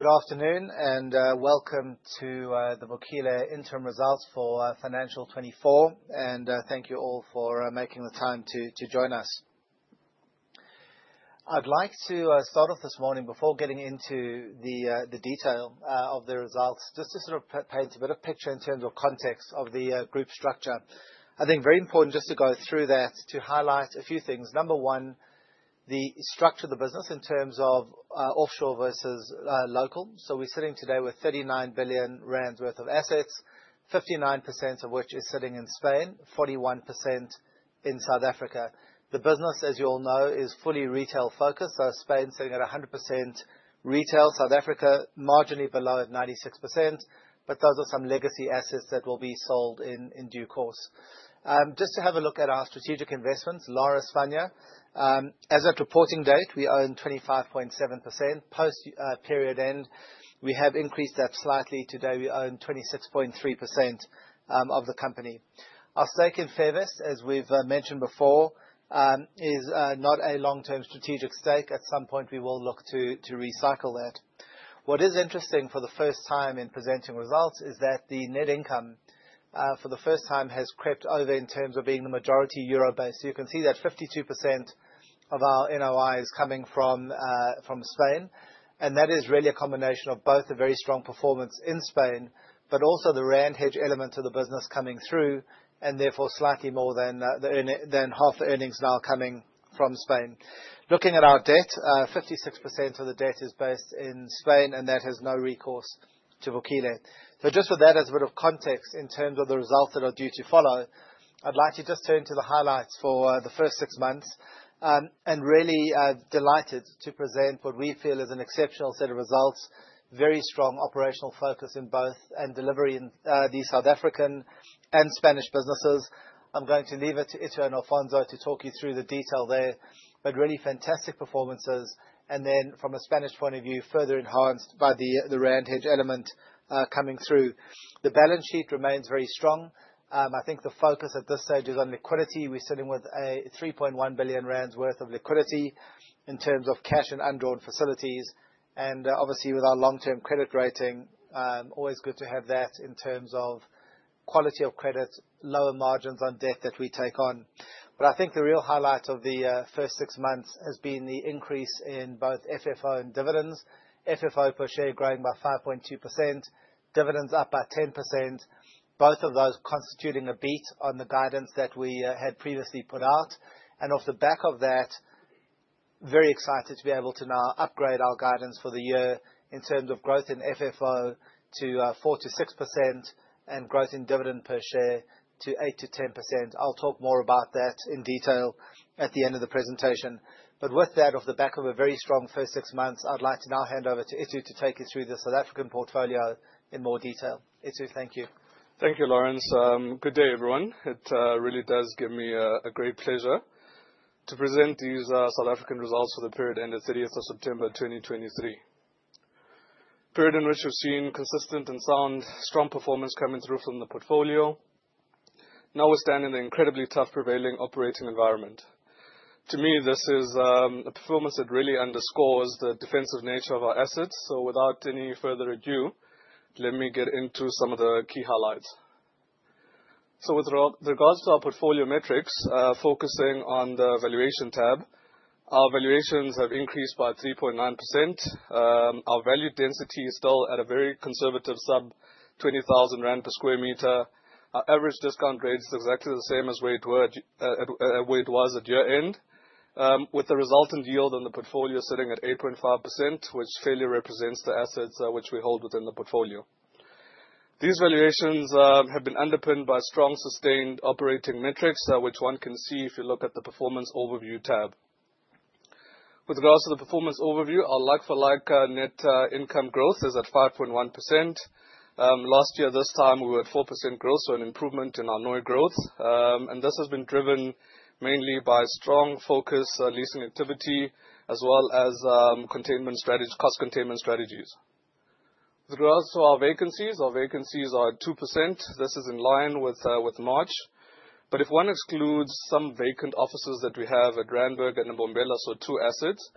Good afternoon, welcome to the Vukile interim results for financial 2024. Thank you all for making the time to join us. I'd like to start off this morning before getting into the detail of the results, just to sort of paint a bit of picture in terms of context of the group structure. I think very important just to go through that to highlight a few things. Number one, the structure of the business in terms of offshore versus local. We're sitting today with 39 billion rand worth of assets, 59% of which is sitting in Spain, 41% in South Africa. The business, as you all know, is fully retail-focused, Spain sitting at 100% retail, South Africa marginally below at 96%, but those are some legacy assets that will be sold in due course. Just to have a look at our strategic investments, Lar España. As at reporting date, we own 25.7%. Post period end, we have increased that slightly. Today, we own 26.3% of the company. Our stake in Fairvest, as we've mentioned before, is not a long-term strategic stake. At some point, we will look to recycle that. What is interesting for the first time in presenting results is that the net income for the first time has crept over in terms of being the majority euro-based. You can see that 52% of our NOI is coming from Spain, and that is really a combination of both a very strong performance in Spain, but also the rand hedge element of the business coming through, and therefore, slightly more than half the earnings now coming from Spain. Looking at our debt, 56% of the debt is based in Spain, and that has no recourse to Vukile. Just for that as a bit of context in terms of the results that are due to follow, I'd like to just turn to the highlights for the first six months. Really, delighted to present what we feel is an exceptional set of results, very strong operational focus in both and delivery in the South African and Spanish businesses. I'm going to leave it to Itu to talk you through the detail there, but really fantastic performances. From a Spanish point of view, further enhanced by the rand hedge element coming through. The balance sheet remains very strong. I think the focus at this stage is on liquidity. We're sitting with 3.1 billion rand worth of liquidity in terms of cash and undrawn facilities, and obviously with our long-term credit rating, always good to have that in terms of quality of credit, lower margins on debt that we take on. I think the real highlight of the first six months has been the increase in both FFO and dividends. FFO per share growing by 5.2%, dividends up by 10%, both of those constituting a beat on the guidance that we had previously put out. Off the back of that, very excited to be able to now upgrade our guidance for the year in terms of growth in FFO to 4%-6% and growth in dividend per share to 8%-10%. I'll talk more about that in detail at the end of the presentation. With that, off the back of a very strong first six months, I'd like to now hand over to Itu to take you through the South African portfolio in more detail. Itu, thank you. Thank you, Laurence. Good day, everyone. It really does give me a great pleasure to present these South African results for the period end of 30th of September 2023. Period in which we've seen consistent and sound strong performance coming through from the portfolio, notwithstanding the incredibly tough prevailing operating environment. To me, this is a performance that really underscores the defensive nature of our assets. Without any further ado, let me get into some of the key highlights. With regards to our portfolio metrics, focusing on the valuation tab, our valuations have increased by 3.9%. Our value density is still at a very conservative sub 20,000 rand per square meter. Our average discount rate is exactly the same as where it were, where it was at year-end. With the resultant yield on the portfolio sitting at 8.5%, which fairly represents the assets, which we hold within the portfolio. These valuations have been underpinned by strong, sustained operating metrics, which one can see if you look at the Performance overview tab. With regards to the performance overview, our like-for-like net income growth is at 5.1%. Last year, this time we were at 4% growth, so an improvement in our NOI growth. This has been driven mainly by strong focus, leasing activity as well as cost containment strategies. With regards to our vacancies, our vacancies are at 2%. This is in line with March. If one excludes some vacant offices that we have at Granberg and Mbombela, so two assets,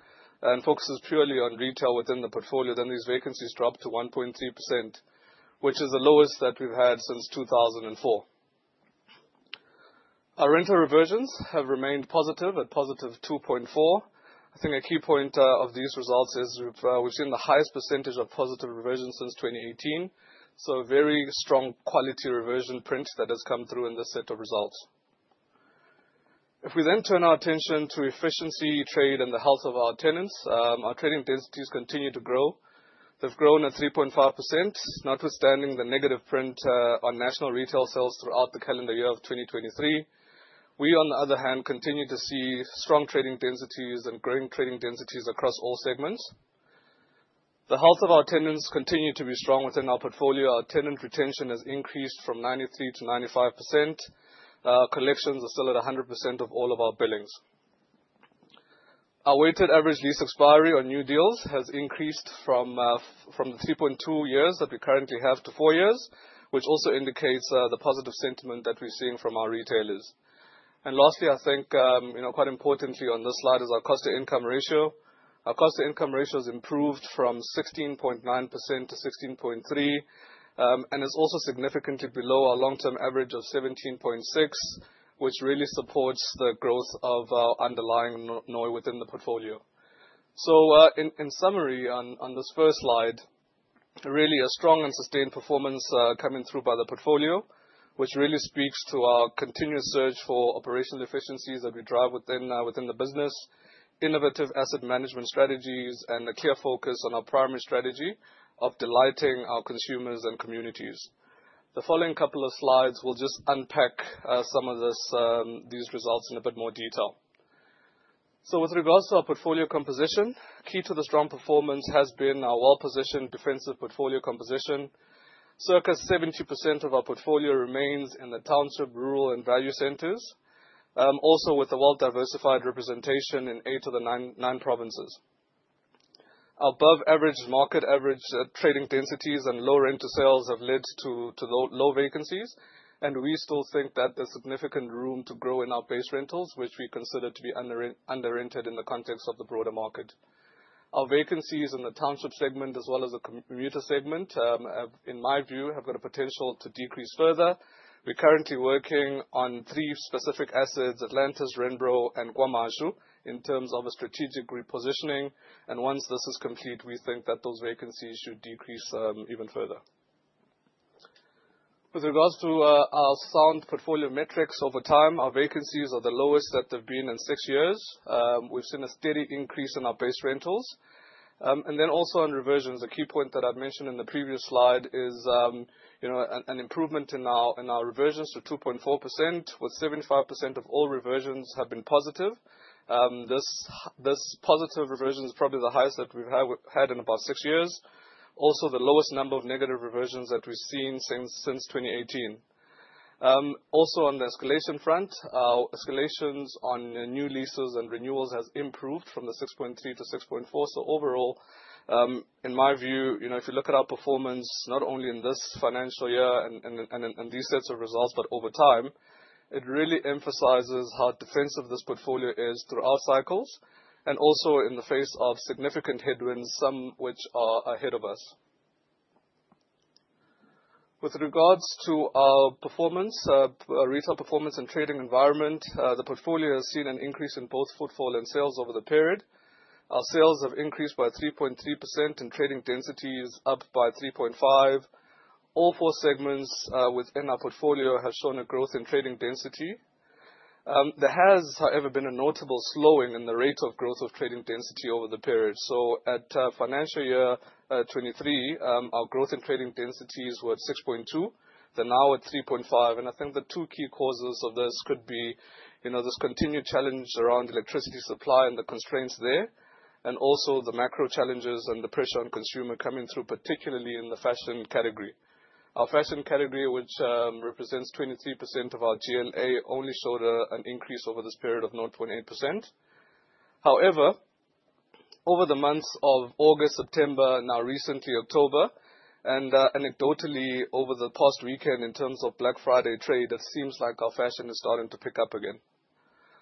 and focuses purely on retail within the portfolio, then these vacancies drop to 1.3%, which is the lowest that we've had since 2004. Our rental reversions have remained positive at positive 2.4%. I think a key point of these results is we've seen the highest percentage of positive reversions since 2018, so very strong quality reversion print that has come through in this set of results. If we then turn our attention to efficiency, trade, and the health of our tenants, our trading densities continue to grow. They've grown at 3.5%, notwithstanding the negative print on national retail sales throughout the calendar year of 2023. We, on the other hand, continue to see strong trading densities and growing trading densities across all segments. The health of our tenants continue to be strong within our portfolio. Our tenant retention has increased from 93%-95%. Our collections are still at 100% of all of our billings. Our weighted average lease expiry on new deals has increased from 3.2 years that we currently have to four years, which also indicates the positive sentiment that we're seeing from our retailers. Lastly, I think, you know, quite importantly on this slide is our cost-to-income ratio. Our cost-to-income ratio has improved from 16.9%-16.3%, and is also significantly below our long-term average of 17.6%, which really supports the growth of our underlying NOI within the portfolio. In summary on this first slide, really a strong and sustained performance coming through by the portfolio, which really speaks to our continuous search for operational efficiencies that we drive within the business, innovative asset management strategies and a clear focus on our primary strategy of delighting our consumers and communities. The following couple of slides will just unpack some of this, these results in a bit more detail. With regards to our portfolio composition, key to the strong performance has been our well-positioned defensive portfolio composition. Circa 70% of our portfolio remains in the township, rural and value centers, also with a well-diversified representation in eight of the nine provinces. Above average market average trading densities and low rent to sales have led to low vacancies. We still think that there's significant room to grow in our base rentals, which we consider to be underrented in the context of the broader market. Our vacancies in the township segment as well as the commuter segment, in my view, have got a potential to decrease further. We're currently working on three specific assets, Atlantis, Renbrew and KwaMashu, in terms of a strategic repositioning, and once this is complete, we think that those vacancies should decrease even further. With regards to our sound portfolio metrics over time, our vacancies are the lowest that they've been in six years. We've seen a steady increase in our base rentals. Also in reversions, a key point that I've mentioned in the previous slide is, you know, an improvement in our reversions to 2.4%, with 75% of all reversions have been positive. This positive reversion is probably the highest that we've had in about six years. Also the lowest number of negative reversions that we've seen since 2018. Also on the escalation front, our escalations on new leases and renewals has improved from the 6.3%-6.4%. Overall, in my view, you know, if you look at our performance, not only in this financial year and these sets of results, but over time, it really emphasizes how defensive this portfolio is through our cycles and also in the face of significant headwinds, some which are ahead of us. With regards to our performance, retail performance and trading environment, the portfolio has seen an increase in both footfall and sales over the period. Our sales have increased by 3.3% and trading density is up by 3.5%. All four segments within our portfolio have shown a growth in trading density. There has, however, been a notable slowing in the rate of growth of trading density over the period. At financial year 2023, our growth in trading density is worth 6.2%. They're now at 3.5%. I think the two key causes of this could be, you know, this continued challenge around electricity supply and the constraints there, and also the macro challenges and the pressure on consumer coming through, particularly in the fashion category. Our fashion category, which represents 23% of our GLA, only showed an increase over this period of 0.8%. However, over the months of August, September, and now recently October, and anecdotally over the past weekend in terms of Black Friday trade, it seems like our fashion is starting to pick up again.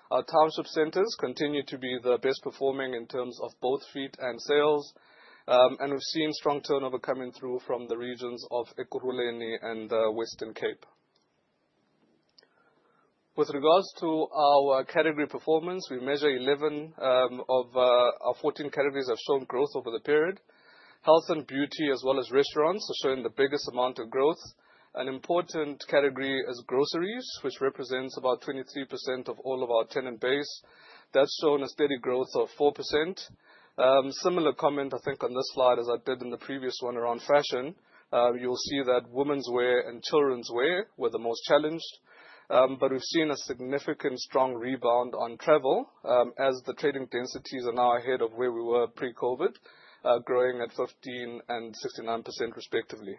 Our township centers continue to be the best performing in terms of both feet and sales. We've seen strong turnover coming through from the regions of Ekurhuleni and Western Cape. With regards to our category performance, we measure 11 of our 14 categories have shown growth over the period. Health and beauty, as well as restaurants, are showing the biggest amount of growth. An important category is groceries, which represents about 23% of all of our tenant base. That's shown a steady growth of 4%. Similar comment, I think, on this slide, as I did in the previous one around fashion, you'll see that womenswear and childrenswear were the most challenged. We've seen a significant strong rebound on travel, as the trading densities are now ahead of where we were pre-COVID, growing at 15% and 69% respectively.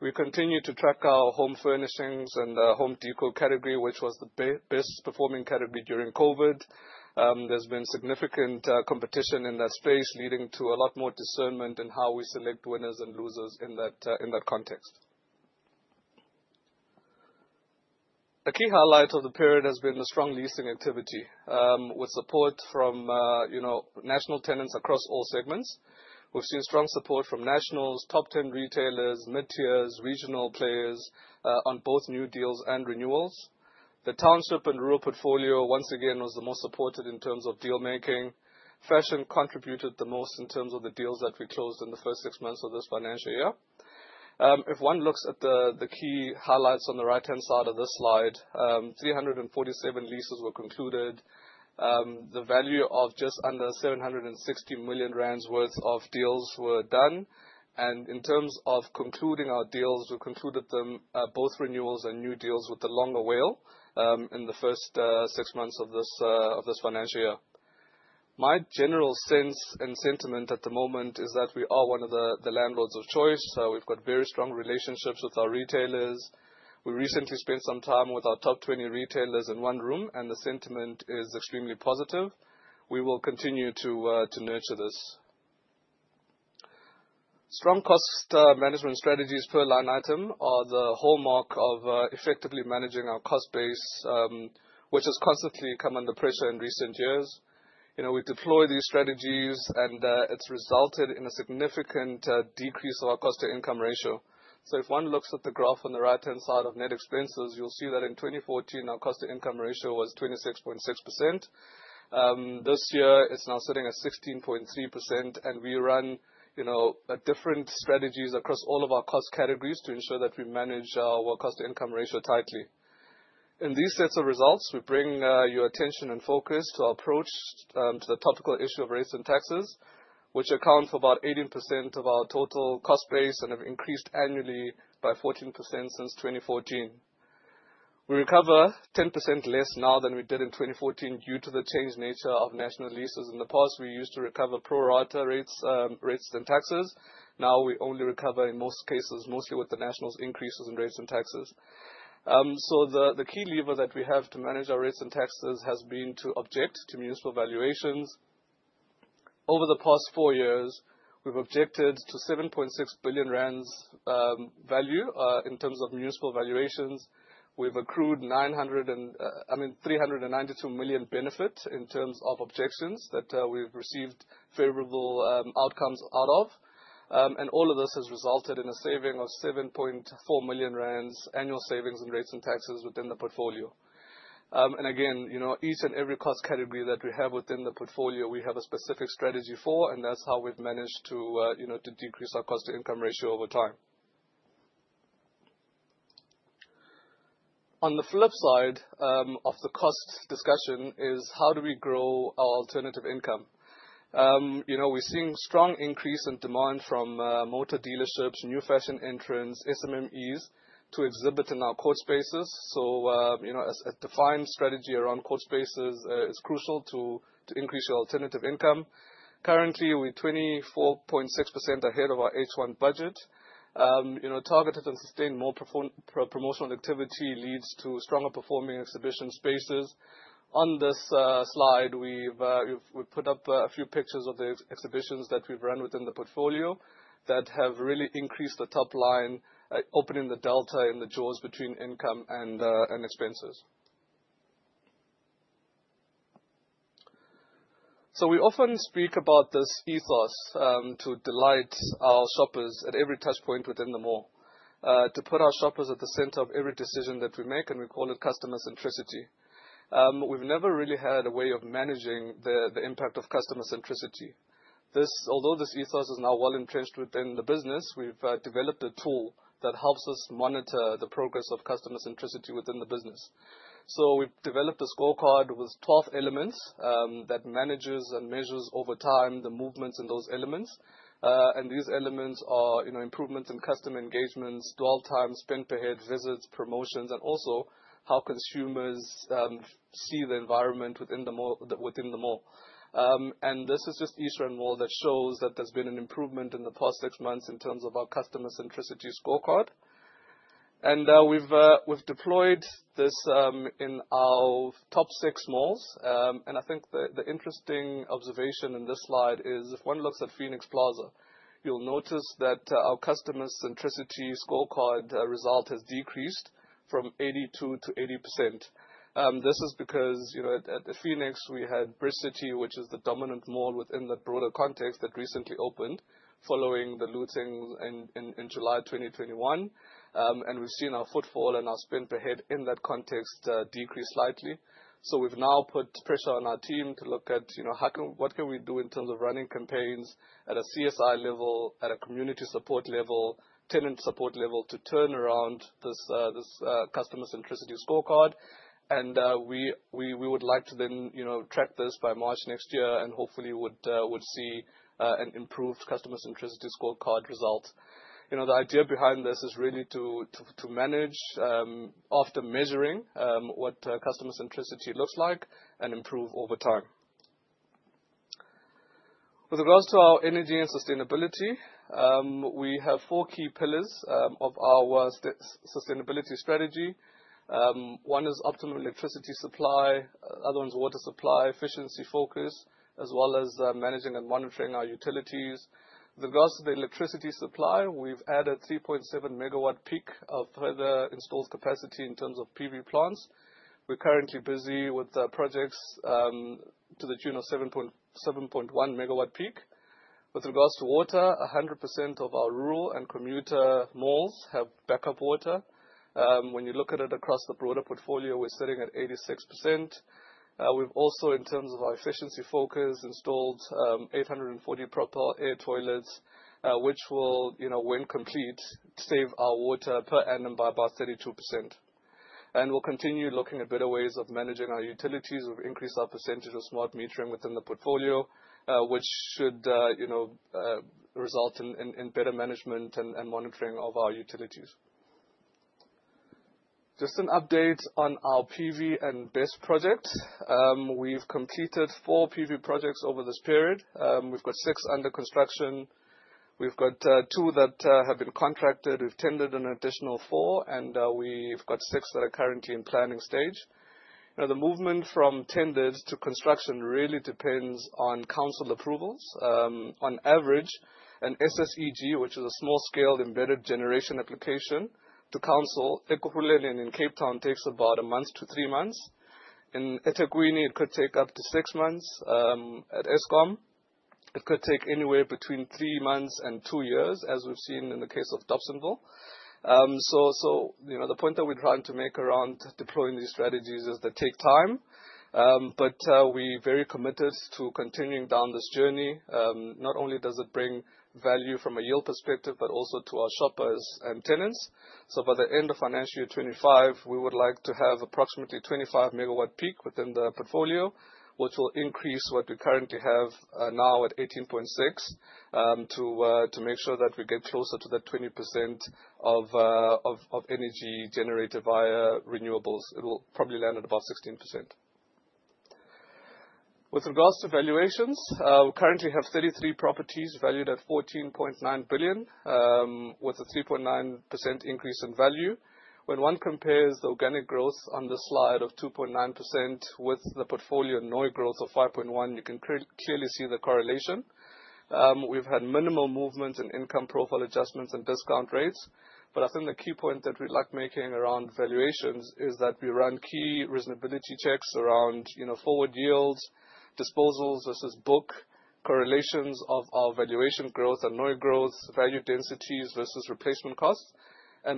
We continue to track our home furnishings and home decor category, which was the best performing category during COVID. There's been significant competition in that space, leading to a lot more discernment in how we select winners and losers in that context. A key highlight of the period has been the strong leasing activity, with support from, you know, national tenants across all segments. We've seen strong support from nationals, top 10 retailers, mid-tiers, regional players, on both new deals and renewals. The township and rural portfolio, once again, was the most supported in terms of deal making. Fashion contributed the most in terms of the deals that we closed in the first six months of this financial year. If one looks at the key highlights on the right-hand side of this slide, 347 leases were concluded. The value of just under 760 million rand worth of deals were done. In terms of concluding our deals, we concluded them, both renewals and new deals with the longer WALE in the first 6 months of this financial year. My general sense and sentiment at the moment is that we are one of the landlords of choice. We've got very strong relationships with our retailers. We recently spent some time with our top 20 retailers in one room, and the sentiment is extremely positive. We will continue to nurture this. Strong cost management strategies per line item are the hallmark of effectively managing our cost base, which has constantly come under pressure in recent years. You know, we deploy these strategies and it's resulted in a significant decrease of our cost-to-income ratio. If one looks at the graph on the right-hand side of net expenses, you'll see that in 2014 our cost-to-income ratio was 26.6%. This year it's now sitting at 16.3% and we run, you know, different strategies across all of our cost categories to ensure that we manage our, well, cost-to-income ratio tightly. In these sets of results, we bring your attention and focus to our approach to the topical issue of rates and taxes, which account for about 18% of our total cost base and have increased annually by 14% since 2014. We recover 10% less now than we did in 2014 due to the changed nature of national leases. In the past, we used to recover pro rata rates and taxes. Now we only recover in most cases, mostly with the nationals increases in rates and taxes. The key lever that we have to manage our rates and taxes has been to object to municipal valuations. Over the past four years, we've objected to 7.6 billion rand value in terms of municipal valuations. We've accrued 392 million benefit in terms of objections that we've received favorable outcomes out of. All of this has resulted in a saving of 7.4 million rand annual savings in rates and taxes within the portfolio. Again, you know, each and every cost category that we have within the portfolio, we have a specific strategy for, and that's how we've managed to decrease our cost-to-income ratio over time. On the flip side of the cost discussion is how do we grow our alternative income? You know, we're seeing strong increase in demand from motor dealerships, new fashion entrants, SMMEs to exhibit in our court spaces. You know, as a defined strategy around court spaces is crucial to increase your alternative income. Currently, we're 24.6% ahead of our H-one budget. you know, targeted and sustained more promotional activity leads to stronger performing exhibition spaces. On this slide, we've put up a few pictures of the exhibitions that we've run within the portfolio that have really increased the top line, opening the delta and the jaws between income and expenses. We often speak about this ethos to delight our shoppers at every touch point within the mall. To put our shoppers at the center of every decision that we make, we call it customer centricity. We've never really had a way of managing the impact of customer centricity. This, although this ethos is now well entrenched within the business, we've developed a tool that helps us monitor the progress of customer centricity within the business. We've developed a scorecard with 12 elements, that manages and measures over time the movements in those elements. These elements are, you know, improvements in customer engagements, dwell time, spend per head, visits, promotions, and also how consumers see the environment within the mall. This is just East Rand Mall that shows that there's been an improvement in the past six months in terms of our customer centricity scorecard. We've deployed this in our top six malls. I think the interesting observation in this slide is if one looks at Phoenix Plaza, you'll notice that our customer centricity scorecard result has decreased from 82% to 80%. This is because, you know, at the Phoenix, we had Brits City which is the dominant mall within that broader context that recently opened following the lootings in July 2021. We've seen our footfall and our spend per head in that context decrease slightly. We've now put pressure on our team to look at, you know, what can we do in terms of running campaigns at a CSI level, at a community support level, tenant support level, to turn around this customer centricity scorecard. We would like to then, you know, track this by March next year and hopefully would see an improved customer centricity scorecard result. You know, the idea behind this is really to manage after measuring what customer centricity looks like and improve over time. With regards to our energy and sustainability, we have four key pillars of our sustainability strategy. One is optimum electricity supply, other one's water supply, efficiency focus, as well as managing and monitoring our utilities. With regards to the electricity supply, we've added 3.7 megawatt peak of further installed capacity in terms of PV plants. We're currently busy with projects to the tune of 7.1 megawatt peak. With regards to water, 100% of our rural and commuter malls have backup water. When you look at it across the broader portfolio, we're sitting at 86%. We've also, in terms of our efficiency focus, installed 840 Propelair toilets, which will, you know, when complete, save our water per annum by about 32%. We'll continue looking at better ways of managing our utilities. We've increased our percentage of smart metering within the portfolio, which should, you know, result in better management and monitoring of our utilities. Just an update on our PV and base projects. We've completed four PV projects over this period. We've got six under construction. We've got two that have been contracted. We've tended an additional four, and we've got six that are currently in planning stage. The movement from tenders to construction really depends on council approvals. On average, an SSEG, which is a small-scale embedded generation application to council Ekurhuleni in Cape Town, takes about one month to three months. In eThekwini, it could take up to six months. At Eskom, it could take anywhere between three months and two years, as we've seen in the case of Dobsonville. You know, the point that we're trying to make around deploying these strategies is they take time. We very committed to continuing down this journey. Not only does it bring value from a yield perspective, but also to our shoppers and tenants. By the end of financial year 2025, we would like to have approximately 25 megawatt peak within the portfolio, which will increase what we currently have, now at 18.6, to make sure that we get closer to that 20% of energy generated via renewables. It'll probably land at about 16%. With regards to valuations, we currently have 33 properties valued at 14.9 billion, with a 2.9% increase in value. When one compares organic growth on the slide of 2.9% with the portfolio NOI growth of 5.1%, you can clearly see the correlation. We've had minimal movement in income profile adjustments and discount rates. I think the key point that we like making around valuations is that we run key reasonability checks around, you know, forward yields, disposals versus book, correlations of our valuation growth and NOI growth, value densities versus replacement costs.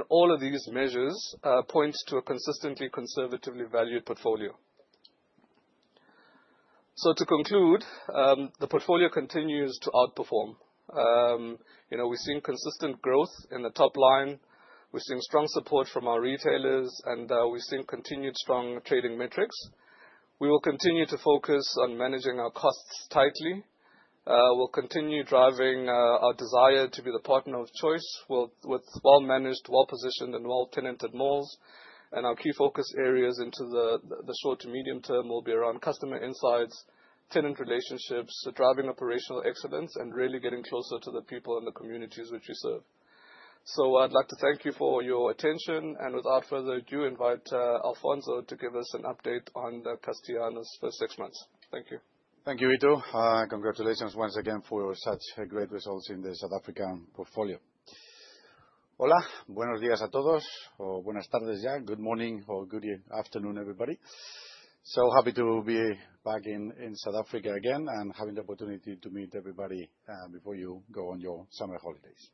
All of these measures point to a consistently conservatively valued portfolio. To conclude, the portfolio continues to outperform. You know, we're seeing consistent growth in the top line. We're seeing strong support from our retailers. We're seeing continued strong trading metrics. We will continue to focus on managing our costs tightly. We'll continue driving our desire to be the partner of choice with well-managed, well-positioned and well-tenanted malls. Our key focus areas into the short to medium term will be around customer insights, tenant relationships, driving operational excellence, and really getting closer to the people in the communities which we serve. I'd like to thank you for your attention, and without further ado, invite Alfonso to give us an update on the Castellana's first six months. Thank you. Thank you, Itu. Congratulations once again for such great results in the South African portfolio. Hola. Good morning or good afternoon, everybody. Happy to be back in South Africa again and having the opportunity to meet everybody, before you go on your summer holidays.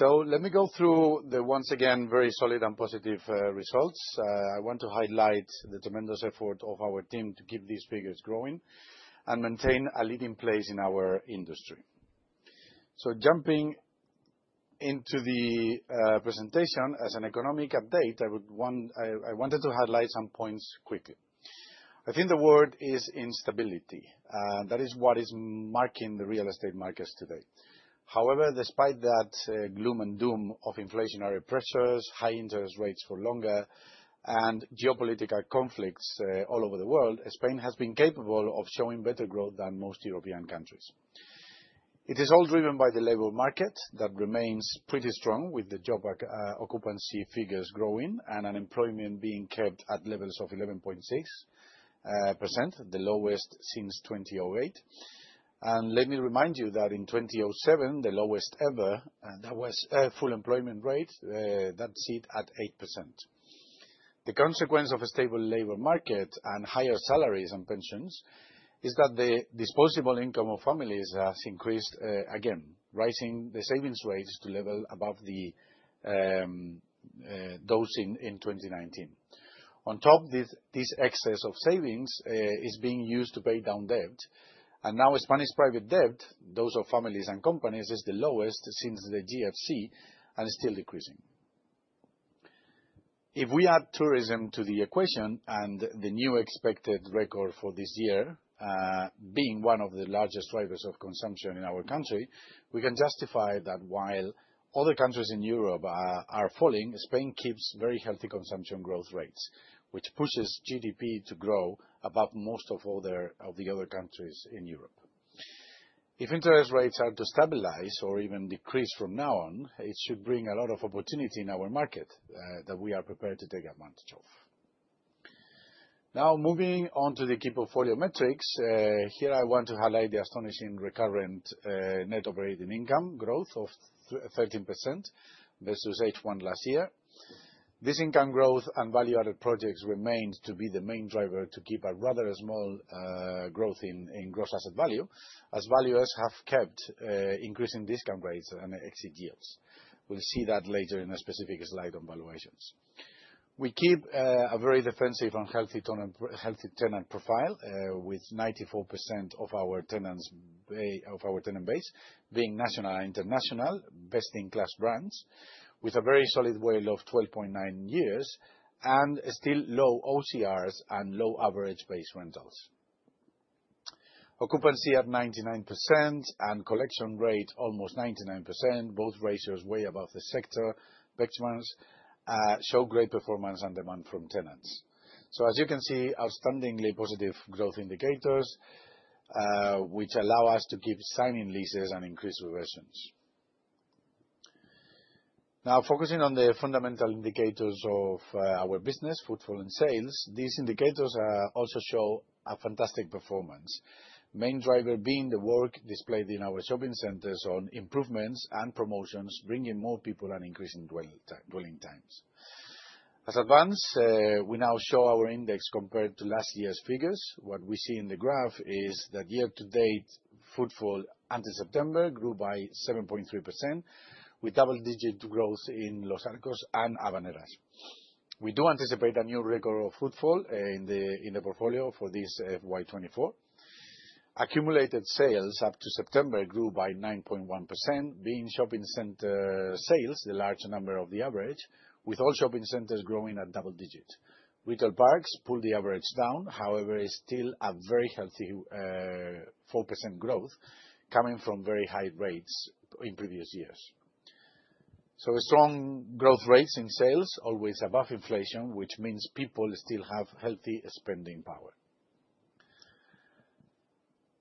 Let me go through the, once again, very solid and positive, results. I want to highlight the tremendous effort of our team to keep these figures growing and maintain a leading place in our industry. Jumping into the presentation, as an economic update, I wanted to highlight some points quickly. I think the word is instability. That is what is marking the real estate markets today. However, despite that, gloom and doom of inflationary pressures, high interest rates for longer, and geopolitical conflicts all over the world, Spain has been capable of showing better growth than most European countries. It is all driven by the labor market that remains pretty strong, with the job occupancy figures growing and unemployment being kept at levels of 11.6%, the lowest since 2008. Let me remind you that in 2007, the lowest ever, that was full employment rate, that sit at 8%. The consequence of a stable labor market and higher salaries and pensions is that the disposable income of families has increased again, rising the savings rates to level above the those in 2019. On top of this excess of savings is being used to pay down debt. And now Spanish private debt, those of families and companies, is the lowest since the GFC and is still decreasing. If we add tourism to the equation and the new expected record for this year, being one of the largest drivers of consumption in our country, we can justify that while other countries in Europe are falling, Spain keeps very healthy consumption growth rates, which pushes GDP to grow above most of the other countries in Europe. If interest rates are to stabilize or even decrease from now on, it should bring a lot of opportunity in our market that we are prepared to take advantage of. Moving on to the key portfolio metrics, here I want to highlight the astonishing recurrent NOI growth of 13% versus H1 last year. This income growth and value-added projects remains to be the main driver to keep a rather small growth in GAV, as valuers have kept increasing discount rates and exit yields. We'll see that later in a specific slide on valuations. We keep a very defensive and healthy tenant profile, with 94% of our tenant base being national and international best-in-class brands with a very solid WALE of 12.9 years and still low OCRs and low average base rentals. Occupancy at 99% and collection rate almost 99%, both ratios way above the sector benchmarks, show great performance and demand from tenants. As you can see, outstandingly positive growth indicators, which allow us to keep signing leases and increase reversions. Now focusing on the fundamental indicators of our business, footfall and sales. These indicators also show a fantastic performance. Main driver being the work displayed in our shopping centers on improvements and promotions, bringing more people and increasing dwelling times. As advanced, we now show our index compared to last year's figures. What we see in the graph is that year to date, footfall until September grew by 7.3%, with double-digit growth in Los Arcos and Habaneras. We do anticipate a new record of footfall in the portfolio for this FY 2024. Accumulated sales up to September grew by 9.1%, being shopping center sales the large number of the average, with all shopping centers growing at double-digit. Retail parks pulled the average down, however, is still a very healthy 4% growth coming from very high rates in previous years. A strong growth rates in sales, always above inflation, which means people still have healthy spending power.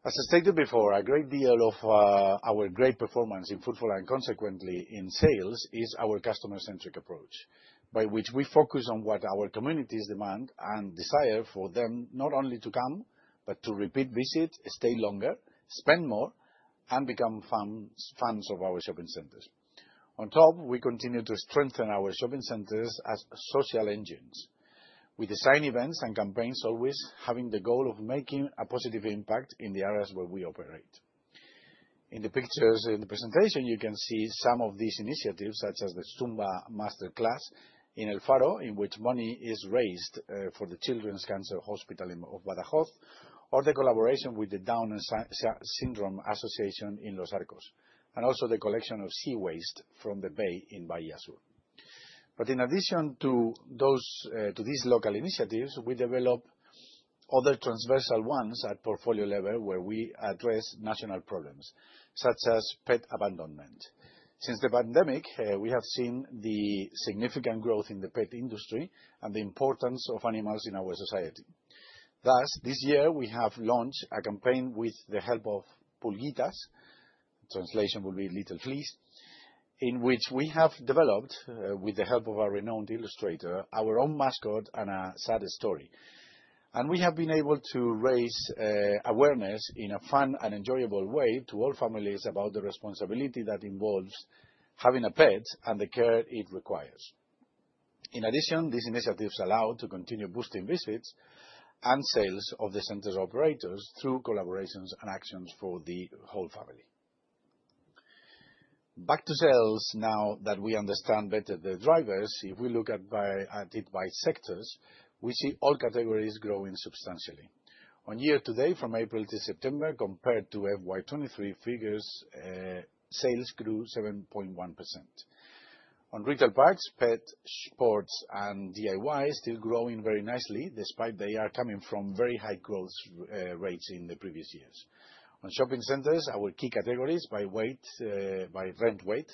As I stated before, a great deal of our great performance in footfall and consequently in sales is our customer-centric approach by which we focus on what our communities demand and desire for them not only to come, but to repeat visit, stay longer, spend more, and become fans of our shopping centers. On top, we continue to strengthen our shopping centers as social engines. We design events and campaigns always having the goal of making a positive impact in the areas where we operate. In the pictures in the presentation, you can see some of these initiatives, such as the Zumba master class in El Faro, in which money is raised for the Children's Cancer Hospital in, of Badajoz, or the collaboration with the Down Syndrome Association in Los Arcos, and also the collection of sea waste from the bay in Bahía Sur. In addition to these local initiatives, we develop other transversal ones at portfolio level where we address national problems such as pet abandonment. Since the pandemic, we have seen the significant growth in the pet industry and the importance of animals in our society. Thus, this year we have launched a campaign with the help of Pulguitas, translation will be little fleas, in which we have developed with the help of a renowned illustrator, our own mascot and a sad story. We have been able to raise awareness in a fun and enjoyable way to all families about the responsibility that involves having a pet and the care it requires. In addition, these initiatives allow to continue boosting visits and sales of the center's operators through collaborations and actions for the whole family. Back to sales now that we understand better the drivers. If we look at it by sectors, we see all categories growing substantially. Year to date from April to September compared to FY 2023 figures, sales grew 7.1%. Retail parks, pet, sports, and DIY still growing very nicely despite they are coming from very high growth rates in the previous years. On shopping centers, our key categories by weight, by rent weight,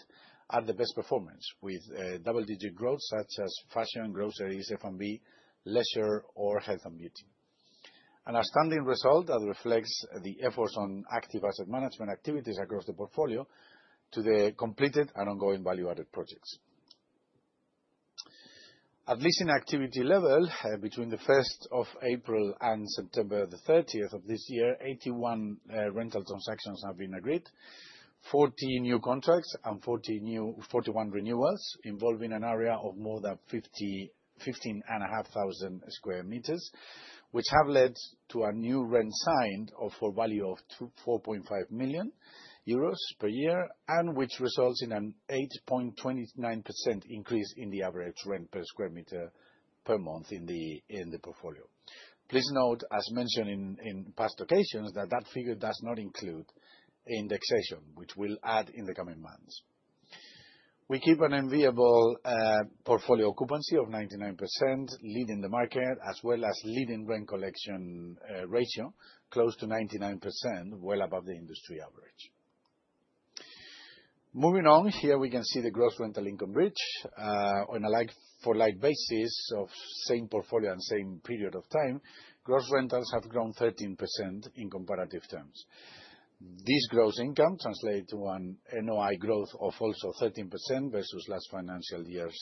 are the best performance with double-digit growth such as fashion, groceries, F&B, leisure or health and beauty. An outstanding result that reflects the efforts on active asset management activities across the portfolio to the completed and ongoing value-added projects. At leasing activity level, between the 1st of April and September 30th of this year, 81 rental transactions have been agreed. 40 new contracts and 41 renewals involving an area of more than 15,500 square meters, which have led to a new rent signed of a value of 4.5 million euros per year, and which results in an 8.29% increase in the average rent per square meter per month in the portfolio. Please note, as mentioned in past occasions, that that figure does not include indexation, which we'll add in the coming months. We keep an enviable portfolio occupancy of 99%, leading the market, as well as leading rent collection ratio close to 99%, well above the industry average. Moving on, here we can see the gross rental income bridge on a like-for-like basis of same portfolio and same period of time. Gross rentals have grown 13% in comparative terms. This gross income translate to an NOI growth of also 13% versus last financial year's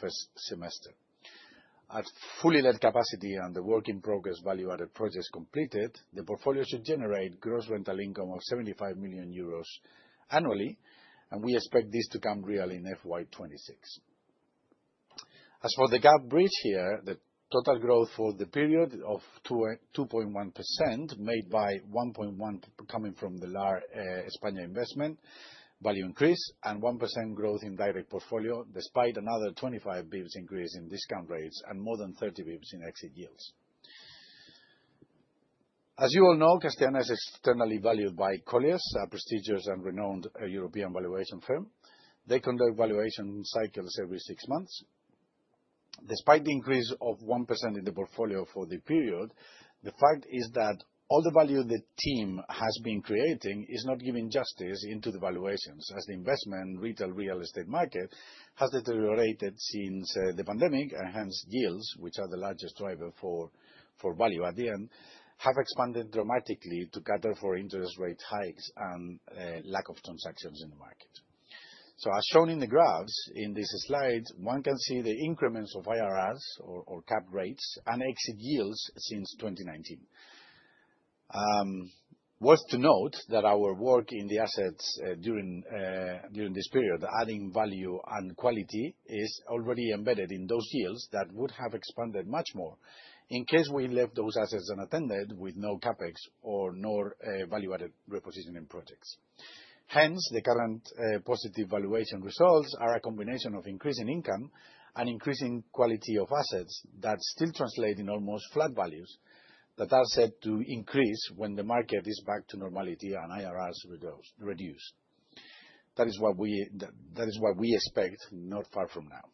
first semester. At fully let capacity and the work in progress value-added projects completed, the portfolio should generate gross rental income of 75 million euros annually, and we expect this to come real in FY 2026. As for the gap bridge here, the total growth for the period of 2.1% made by 1.1% coming from the Lar España investment value increase and 1% growth in direct portfolio despite another 25 basis points increase in discount rates and more than 30 basis points in exit yields. As you all know, Castellana is externally valued by Colliers, a prestigious and renowned European valuation firm. They conduct valuation cycles every six months. Despite the increase of 1% in the portfolio for the period, the fact is that all the value the team has been creating is not giving justice into the valuations, as the investment retail real estate market has deteriorated since the pandemic. Hence yields, which are the largest driver for value at the end, have expanded dramatically to cater for interest rate hikes and lack of transactions in the market. As shown in the graphs in this slide, one can see the increments of IRRs or cap rates and exit yields since 2019. Worth to note that our work in the assets during this period, adding value and quality is already embedded in those yields that would have expanded much more in case we left those assets unattended with no CapEx or nor value-added repositioning projects. Hence, the current positive valuation results are a combination of increasing income and increasing quality of assets that still translate in almost flat values that are set to increase when the market is back to normality and IRRs reduce. That is what we expect not far from now.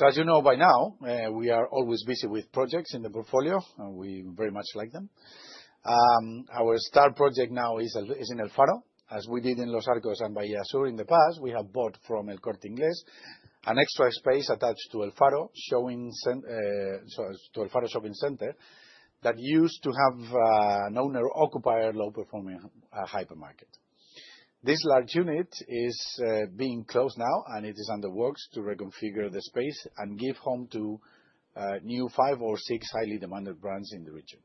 As you know by now, we are always busy with projects in the portfolio, and we very much like them. Our star project now is in El Faro. As we did in Los Arcos and Bahía Sur in the past, we have bought from El Corte Inglés an extra space attached to El Faro so as to El Faro shopping center that used to have an owner-occupier low-performing hypermarket. This large unit is being closed now, and it is under works to reconfigure the space and give home to new five or six highly demanded brands in the region.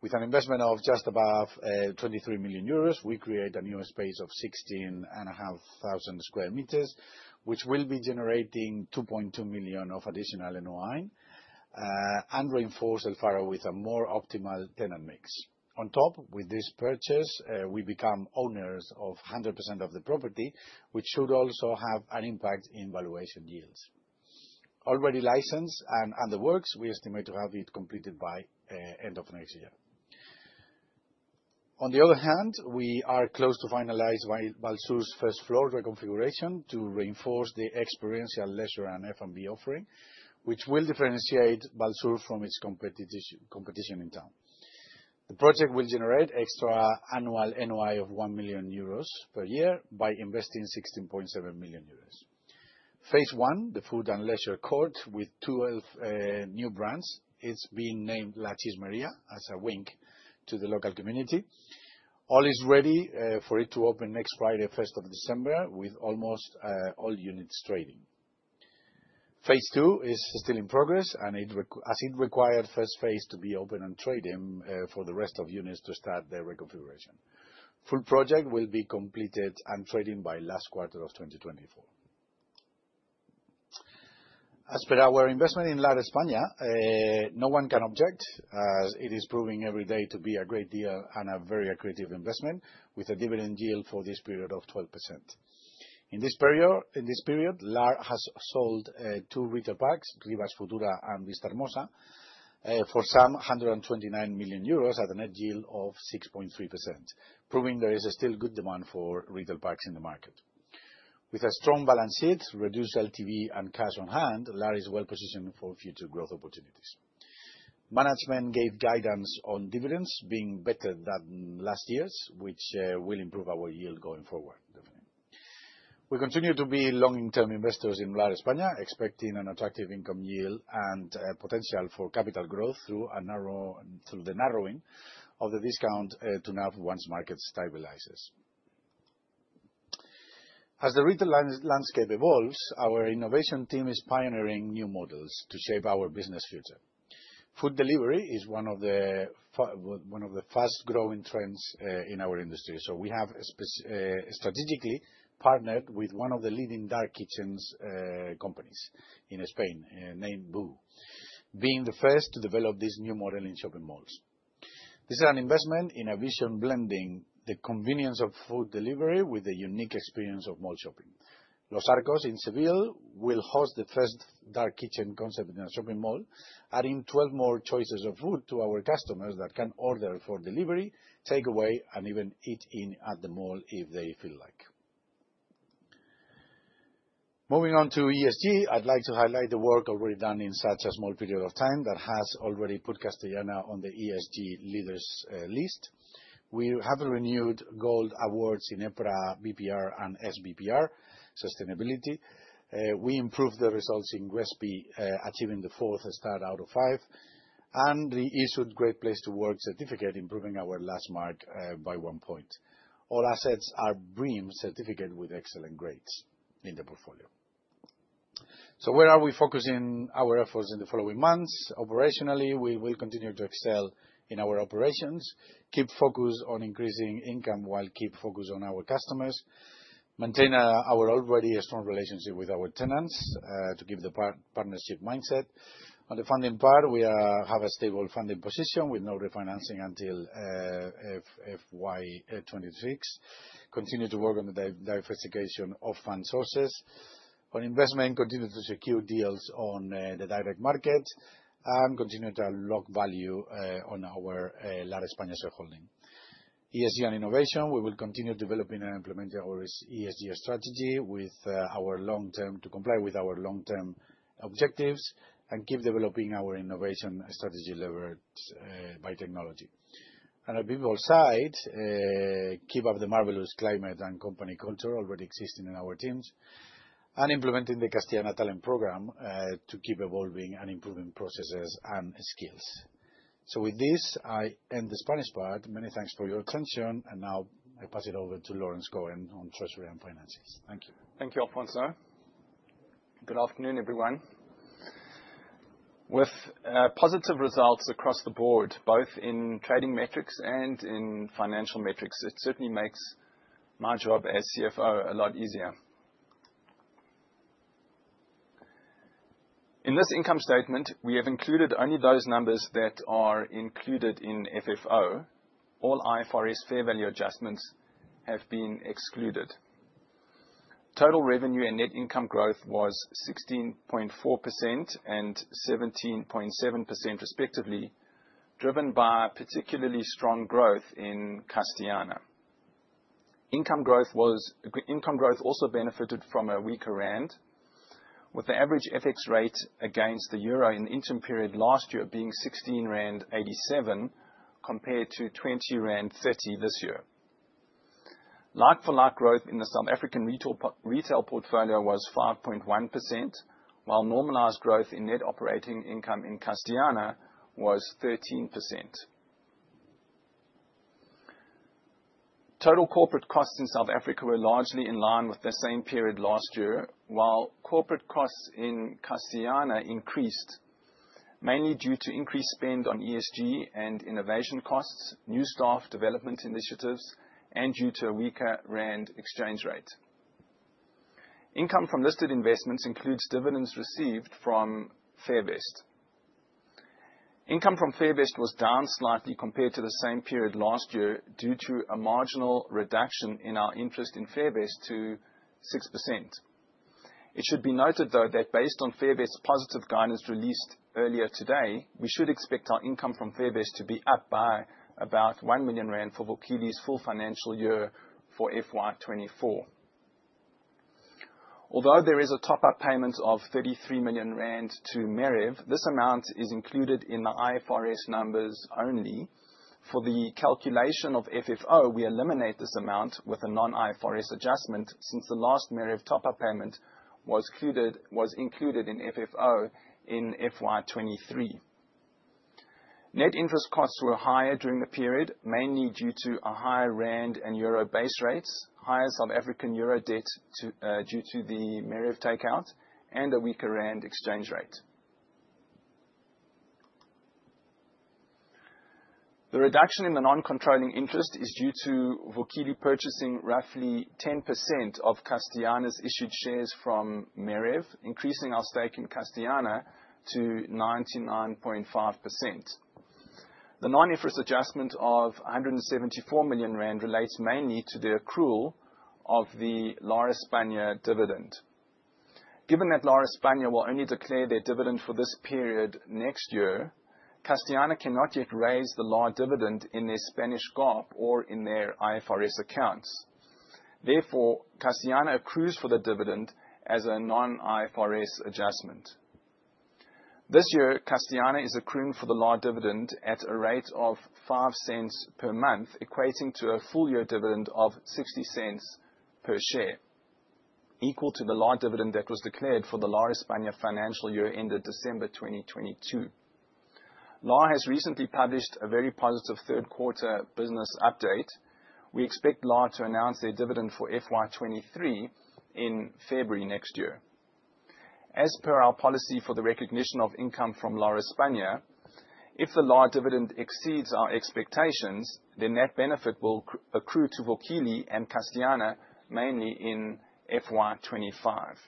With an investment of just above 23 million euros, we create a new space of 16,500 sq m, which will be generating 2.2 million of additional NOI and reinforce El Faro with a more optimal tenant mix. On top, with this purchase, we become owners of 100% of the property, which should also have an impact in valuation yields. Already licensed and under works, we estimate to have it completed by end of next year. On the other hand, we are close to finalize Vallsur's first floor reconfiguration to reinforce the experiential leisure and F&B offering, which will differentiate Vallsur from its competition in town. The project will generate extra annual NOI of 1 million euros per year by investing 16.7 million euros. Phase l, the food and leisure court with 12 new brands, is being named La Chismería as a wink to the local community. All is ready for it to open next Friday, 1st of December, with almost all units trading. Phase ll is still in progress as it required first phase to be open and trading for the rest of units to start their reconfiguration. Full project will be completed and trading by last quarter of 2024. As per our investment in Lar España, no one can object, as it is proving every day to be a great deal and a very accretive investment with a dividend yield for this period of 12%. In this period, Lar has sold two retail parks, Rivas Futura and Vistahermosa for some 129 million euros at a net yield of 6.3%, proving there is a still good demand for retail parks in the market. With a strong balance sheet, reduced LTV, and cash on hand, Lar is well-positioned for future growth opportunities. Management gave guidance on dividends being better than last year's, which will improve our yield going forward, definitely. We continue to be long-term investors in Lar España, expecting an attractive income yield and potential for capital growth through the narrowing of the discount to NAV once market stabilizes. As the retail landscape evolves, our innovation team is pioneering new models to shape our business future. Food delivery is one of the fast-growing trends in our industry, so we have strategically partnered with one of the leading dark kitchens companies in Spain, named Buu, being the first to develop this new model in shopping malls. This is an investment in a vision blending the convenience of food delivery with the unique experience of mall shopping. Los Arcos in Seville will host the first dark kitchen concept in a shopping mall, adding 12 more choices of food to our customers that can order for delivery, take away, and even eat in at the mall if they feel like. Moving on to ESG, I'd like to highlight the work already done in such a small period of time that has already put Castellana on the ESG leaders list. We have renewed Gold Awards in EPRA, BPR, and SBPR sustainability. We improved the results in GRESB, achieving the fourth star out of five, and reissued Great Place to Work certificate, improving our last mark by one point. All assets are BREEAM-certified with excellent grades in the portfolio. Where are we focusing our efforts in the following months? Operationally, we will continue to excel in our operations, keep focus on increasing income while keep focus on our customers, maintain our already strong relationship with our tenants to keep the partnership mindset. On the funding part, we have a stable funding position with no refinancing until FY 2026. Continue to work on the diversification of fund sources. On investment, continue to secure deals on the direct market and continue to unlock value on our Lar España shareholding. ESG and innovation, we will continue developing and implementing our ESG strategy with our long-term objectives and keep developing our innovation strategy levered by technology. On a people side, keep up the marvelous climate and company culture already existing in our teams. Implementing the Castellana Talent Program to keep evolving and improving processes and skills. With this, I end the Spanish part. Many thanks for your attention. Now I pass it over to Laurence Cohen on Treasury and Finances. Thank you. Thank you, Alfonso. Good afternoon, everyone. With positive results across the board, both in trading metrics and in financial metrics, it certainly makes my job as CFO a lot easier. In this income statement, we have included only those numbers that are included in FFO. All IFRS fair value adjustments have been excluded. Total revenue and net income growth was 16.4% and 17.7% respectively, driven by particularly strong growth in Castellana. Income growth also benefited from a weaker rand, with the average FX rate against the euro in the interim period last year being 16.87 rand, compared to 20.30 rand this year. Like for like growth in the South African retail portfolio was 5.1%, while normalized growth in net operating income in Castellana was 13%. Total corporate costs in South Africa were largely in line with the same period last year, while corporate costs in Castellana increased, mainly due to increased spend on ESG and innovation costs, new staff development initiatives, and due to a weaker rand exchange rate. Income from listed investments includes dividends received from Fairvest. Income from Fairvest was down slightly compared to the same period last year due to a marginal reduction in our interest in Fairvest to 6%. It should be noted, though, that based on Fairvest's positive guidance released earlier today, we should expect our income from Fairvest to be up by about 1 million rand for Vukile's full financial year for FY 2024. There is a top-up payment of 33 million rand to Morze, this amount is included in the IFRS numbers only. For the calculation of FFO, we eliminate this amount with a non-IFRS adjustment since the last Morze top-up payment was included in FFO in FY 2023. Net interest costs were higher during the period, mainly due to a higher rand and euro base rates, higher South African euro debt to due to the Morze takeout, and a weaker rand exchange rate. The reduction in the non-controlling interest is due to Vukile purchasing roughly 10% of Castellana's issued shares from Morze, increasing our stake in Castellana to 99.5%. The non-IFRS adjustment of 174 million rand relates mainly to the accrual of the Lar España dividend. Given that Lar España will only declare their dividend for this period next year, Castellana cannot yet raise the Lar dividend in their Spanish GAAP or in their IFRS accounts. Castellana accrues for the dividend as a non-IFRS adjustment. This year, Castellana is accruing for the L.A. dividend at a rate of 0.05 per month, equating to a full-year dividend of 0.60 per share, equal to the L.A. dividend that was declared for the Lar España financial year ended December 2022. L.A. has recently published a very positive third quarter business update. We expect L.A. to announce their dividend for FY 2023 in February next year. As per our policy for the recognition of income from Lar España, if the L.A. dividend exceeds our expectations, the net benefit will accrue to Vukile and Castellana mainly in FY 2025.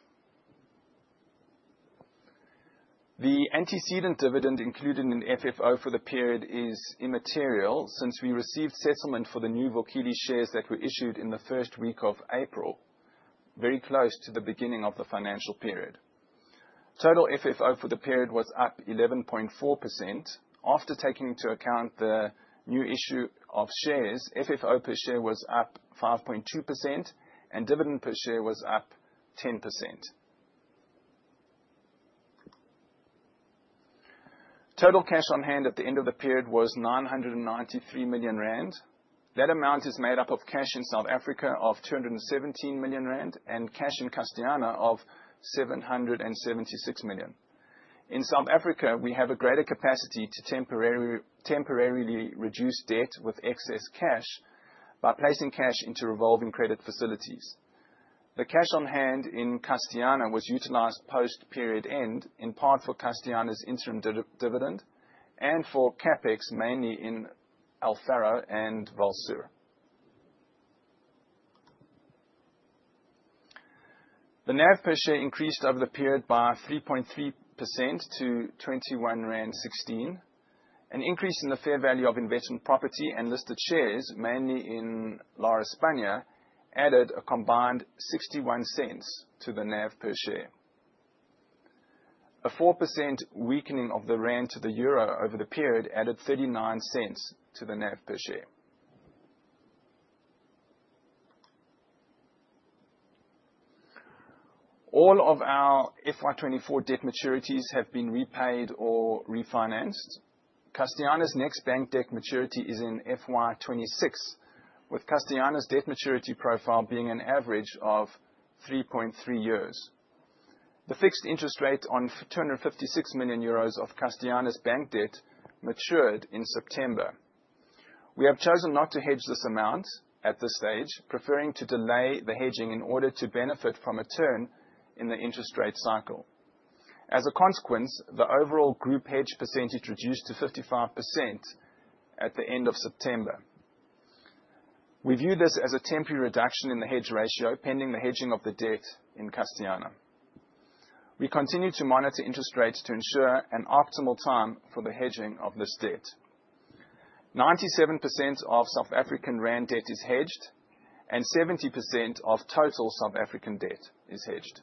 The antecedent dividend included in the FFO for the period is immaterial since we received settlement for the new Vukile shares that were issued in the first week of April, very close to the beginning of the financial period. Total FFO for the period was up 11.4%. After taking into account the new issue of shares, FFO per share was up 5.2%, and dividend per share was up 10%. Total cash on hand at the end of the period was 993 million rand. That amount is made up of cash in South Africa of 217 million rand and cash in Castellana of 776 million. In South Africa, we have a greater capacity to temporarily reduce debt with excess cash by placing cash into revolving credit facilities. The cash on hand in Castellana was utilized post-period end, in part for Castellana's interim dividend and for CapEx, mainly in El Faro and Vallsur. The NAV per share increased over the period by 3.3% to 21.16 rand. An increase in the fair value of investment property and listed shares, mainly in Lar España, added a combined 0.61 to the NAV per share. A 4% weakening of the rand to the euro over the period added 0.39 to the NAV per share. All of our FY 2024 debt maturities have been repaid or refinanced. Castellana's next bank debt maturity is in FY 2026, with Castellana's debt maturity profile being an average of 3.3 years. The fixed interest rate on 256 million euros of Castellana's bank debt matured in September. We have chosen not to hedge this amount at this stage, preferring to delay the hedging in order to benefit from a turn in the interest rate cycle. As a consequence, the overall group hedge percentage reduced to 55% at the end of September. We view this as a temporary reduction in the hedge ratio pending the hedging of the debt in Castellana. We continue to monitor interest rates to ensure an optimal time for the hedging of this debt. 97% of South African ZAR debt is hedged, and 70% of total South African debt is hedged.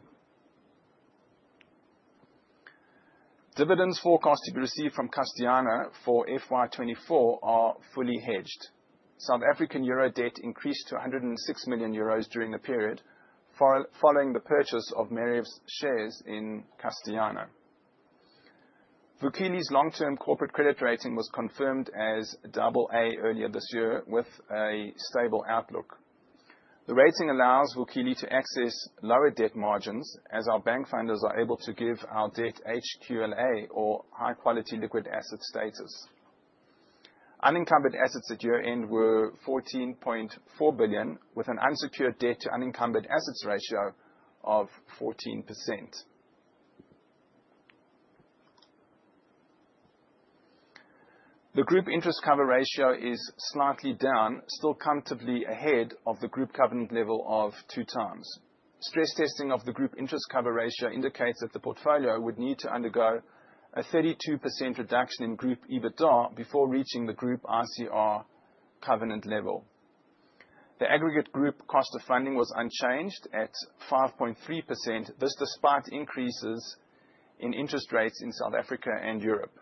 Dividends forecasted to be received from Castellana for FY 2024 are fully hedged. South African EUR debt increased to 106 million euros during the period following the purchase of Morze's shares in Castellana. Vukile's long-term corporate credit rating was confirmed as AA earlier this year with a stable outlook. The rating allows Vukile to access lower debt margins as our bank funders are able to give our debt HQLA or high-quality liquid asset status. Unencumbered assets at year-end were 14.4 billion, with an unsecured debt to unencumbered assets ratio of 14%. The group interest cover ratio is slightly down, still comfortably ahead of the group covenant level of two times. Stress testing of the group interest cover ratio indicates that the portfolio would need to undergo a 32% reduction in group EBITDA before reaching the group ICR covenant level. The aggregate group cost of funding was unchanged at 5.3%. This despite increases in interest rates in South Africa and Europe.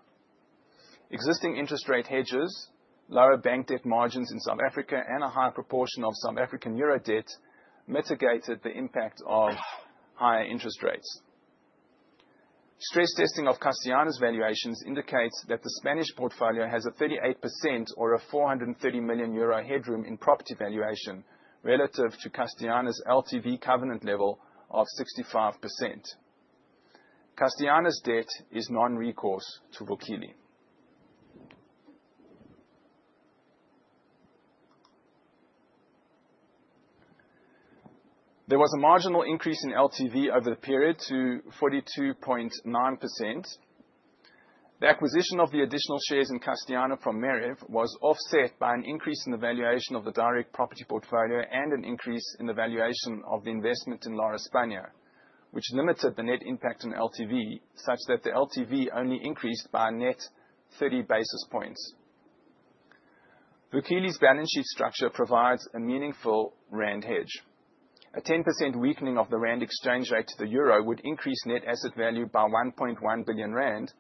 Existing interest rate hedges, lower bank debt margins in South Africa, and a higher proportion of South African euro debt mitigated the impact of higher interest rates. Stress testing of Castellana's valuations indicates that the Spanish portfolio has a 38% or a 430 million euro headroom in property valuation relative to Castellana's LTV covenant level of 65%. Castellana's debt is non-recourse to Vukile. There was a marginal increase in LTV over the period to 42.9%. The acquisition of the additional shares in Castellana from Morze was offset by an increase in the valuation of the direct property portfolio and an increase in the valuation of the investment in Lar España, which limited the net impact on LTV, such that the LTV only increased by a net 30 basis points. Vukile's balance sheet structure provides a meaningful rand hedge. A 10% weakening of the rand exchange rate to the euro would increase net asset value by 1.1 billion rand,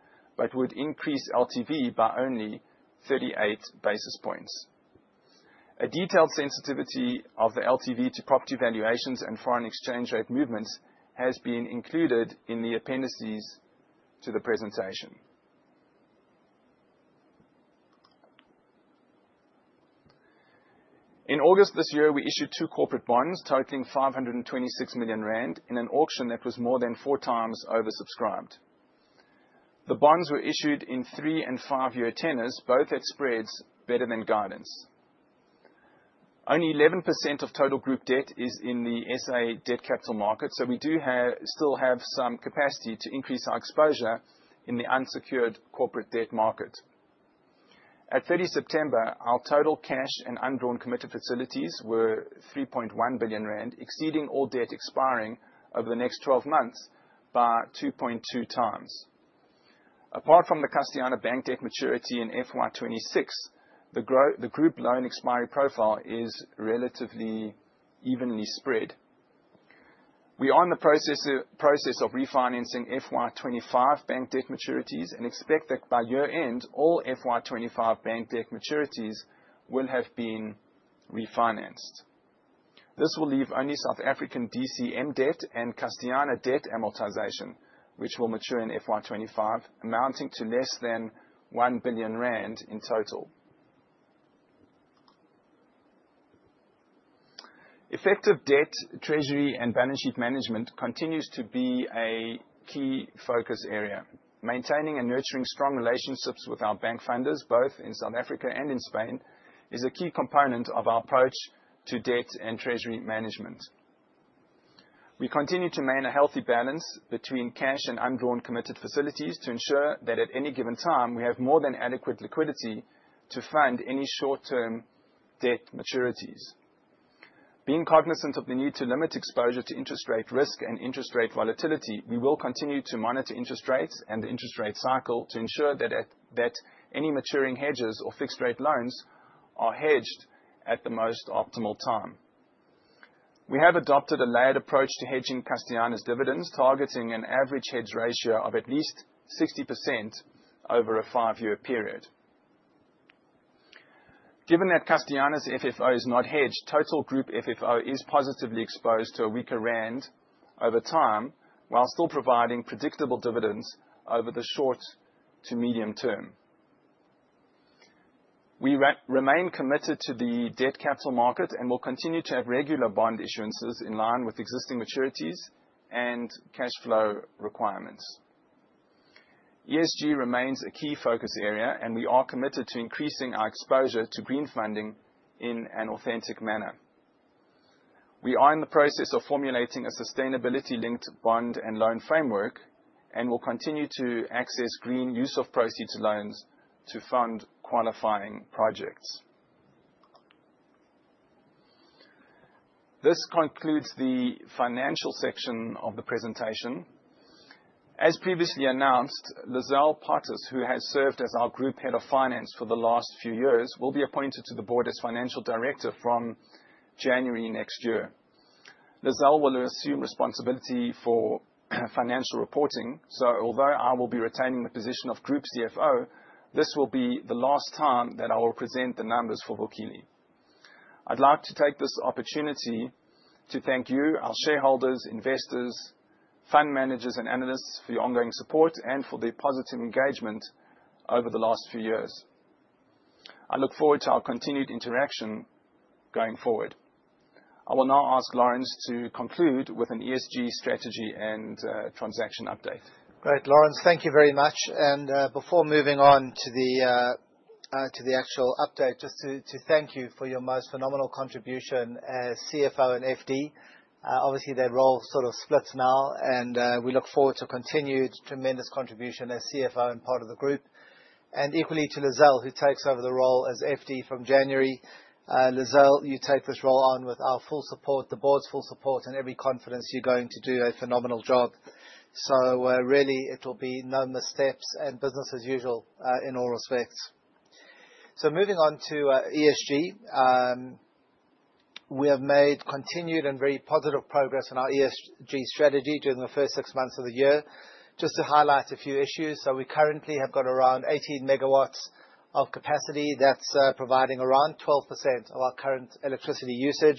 would increase LTV by only 38 basis points. A detailed sensitivity of the LTV to property valuations and foreign exchange rate movements has been included in the appendices to the presentation. In August this year, we issued two corporate bonds totaling 526 million rand in an auction that was more than four times oversubscribed. The bonds were issued in three and five-year tenors, both at spreads better than guidance. Only 11% of total group debt is in the SA debt capital market, we do still have some capacity to increase our exposure in the unsecured corporate debt market. At 30 September, our total cash and undrawn committed facilities were 3.1 billion rand, exceeding all debt expiring over the next 12 months by 2.2 times. Apart from the Castellana bank debt maturity in FY 2026, the group loan expiry profile is relatively evenly spread. We are in the process of refinancing FY 2025 bank debt maturities and expect that by year-end, all FY 2025 bank debt maturities will have been refinanced. This will leave only South African DCM debt and Castellana debt amortization, which will mature in FY 2025, amounting to less than 1 billion rand in total. Effective debt, treasury, and balance sheet management continues to be a key focus area. Maintaining and nurturing strong relationships with our bank funders, both in South Africa and in Spain, is a key component of our approach to debt and treasury management. We continue to maintain a healthy balance between cash and undrawn committed facilities to ensure that at any given time, we have more than adequate liquidity to fund any short-term debt maturities. Being cognizant of the need to limit exposure to interest rate risk and interest rate volatility, we will continue to monitor interest rates and the interest rate cycle to ensure that any maturing hedges or fixed rate loans are hedged at the most optimal time. We have adopted a layered approach to hedging Castellana's dividends, targeting an average hedge ratio of at least 60% over a five-year period. Given that Castellana's FFO is not hedged, total group FFO is positively exposed to a weaker rand over time, while still providing predictable dividends over the short to medium term. We remain committed to the debt capital market and will continue to have regular bond issuances in line with existing maturities and cash flow requirements. ESG remains a key focus area, and we are committed to increasing our exposure to green funding in an authentic manner. We are in the process of formulating a sustainability-linked bond and loan framework, and we'll continue to access green use of proceeds loans to fund qualifying projects. This concludes the financial section of the presentation. As previously announced, Lizelle Pottas, who has served as our group head of finance for the last few years, will be appointed to the board as Financial Director from January next year. Lizelle will assume responsibility for financial reporting. Although I will be retaining the position of Group CFO, this will be the last time that I will present the numbers for Vukile. I'd like to take this opportunity to thank you, our shareholders, investors, fund managers, and analysts for your ongoing support and for the positive engagement over the last few years. I look forward to our continued interaction going forward. I will now ask Laurence to conclude with an ESG strategy and transaction update. Great, Laurence. Thank you very much. Before moving on to the actual update, just to thank you for your most phenomenal contribution as CFO and FD. Obviously, that role sort of splits now, and we look forward to continued tremendous contribution as CFO and part of the group. Equally to Lizelle, who takes over the role as FD from January. Lizelle, you take this role on with our full support, the board's full support, and every confidence you're going to do a phenomenal job. Really, it'll be no missteps and business as usual in all respects. Moving on to ESG. We have made continued and very positive progress in our ESG strategy during the first six months of the year. Just to highlight a few issues. We currently have got around 18 megawatts of capacity that's providing around 12% of our current electricity usage.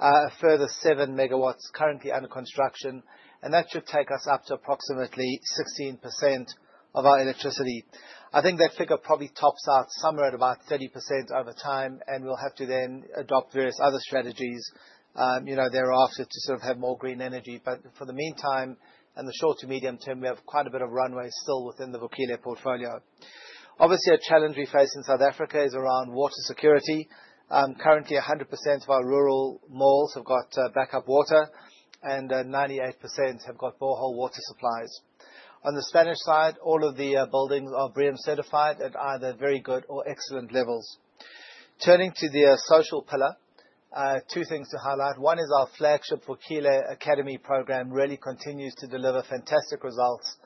A further 7 MW currently under construction, and that should take us up to approximately 16% of our electricity. I think that figure probably tops out somewhere at about 30% over time, and we'll have to then adopt various other strategies, you know, thereafter to sort of have more green energy. For the meantime, in the short to medium term, we have quite a bit of runway still within the Vukile portfolio. Obviously, a challenge we face in South Africa is around water security. Currently, 100% of our rural malls have got backup water and 98% have got borehole water supplies. On the Spanish side, all of the buildings are BREEAM certified at either very good or excellent levels. Turning to the social pillar, two things to highlight. One is our flagship Vukile Academy program really continues to deliver fantastic results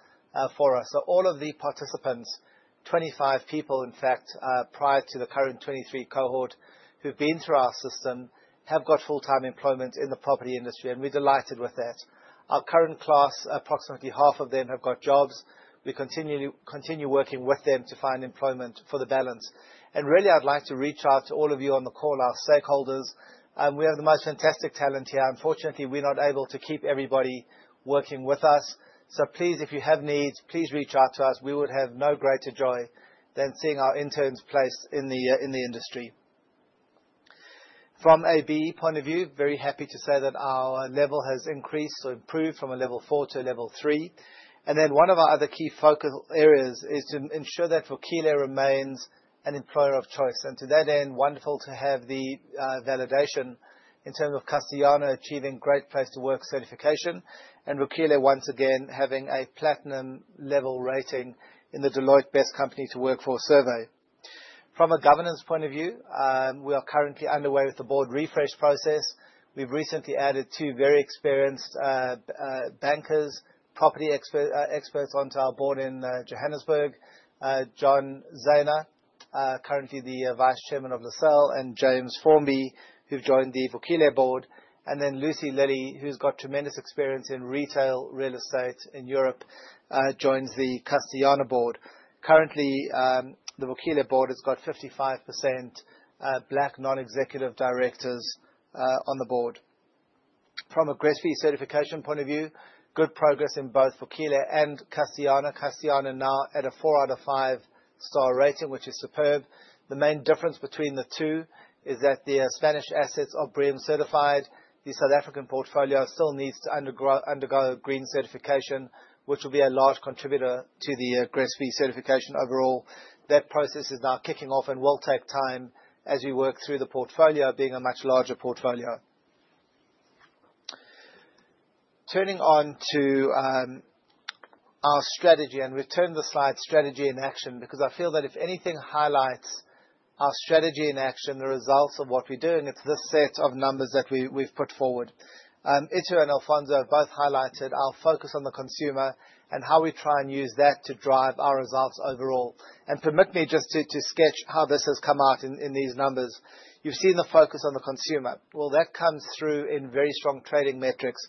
for us. All of the participants, 25 people, in fact, prior to the current 23 cohort who've been through our system, have got full-time employment in the property industry, and we're delighted with that. Our current class, approximately half of them have got jobs. We continue working with them to find employment for the balance. Really, I'd like to reach out to all of you on the call, our stakeholders. We have the most fantastic talent here. Unfortunately, we're not able to keep everybody working with us. Please, if you have needs, please reach out to us. We would have no greater joy than seeing our interns placed in the industry. From a BE point of view, very happy to say that our level has increased or improved from a level four to a level three. One of our other key focal areas is to ensure that Vukile remains an employer of choice. To that end, wonderful to have the validation in terms of Castellana achieving Great Place to Work certification and Vukile once again having a platinum level rating in the Deloitte Best Company to Work For survey. From a governance point of view, we are currently underway with the board refresh process. We've recently added two very experienced bankers, property experts onto our board in Johannesburg. Jon Zehner, currently the vice chairman of Sasol, and James Formby, who've joined the Vukile board. Lucy Lilley, who's got tremendous experience in retail, real estate in Europe, joins the Castellana board. Currently, the Vukile board has got 55% Black non-executive directors on the board. From a GRESB certification point of view, good progress in both Vukile and Castellana. Castellana now at a four out of five star rating, which is superb. The main difference between the two is that the Spanish assets are BREEAM certified. The South African portfolio still needs to undergo green certification, which will be a large contributor to the GRESB certification overall. That process is now kicking off and will take time as we work through the portfolio being a much larger portfolio. Turning on to our strategy. We've turned the slide Strategy in Action, because I feel that if anything highlights our strategy in action, the results of what we're doing, it's this set of numbers that we've put forward. Itu and Alfonso have both highlighted our focus on the consumer and how we try and use that to drive our results overall. Permit me just to sketch how this has come out in these numbers. You've seen the focus on the consumer. Well, that comes through in very strong trading metrics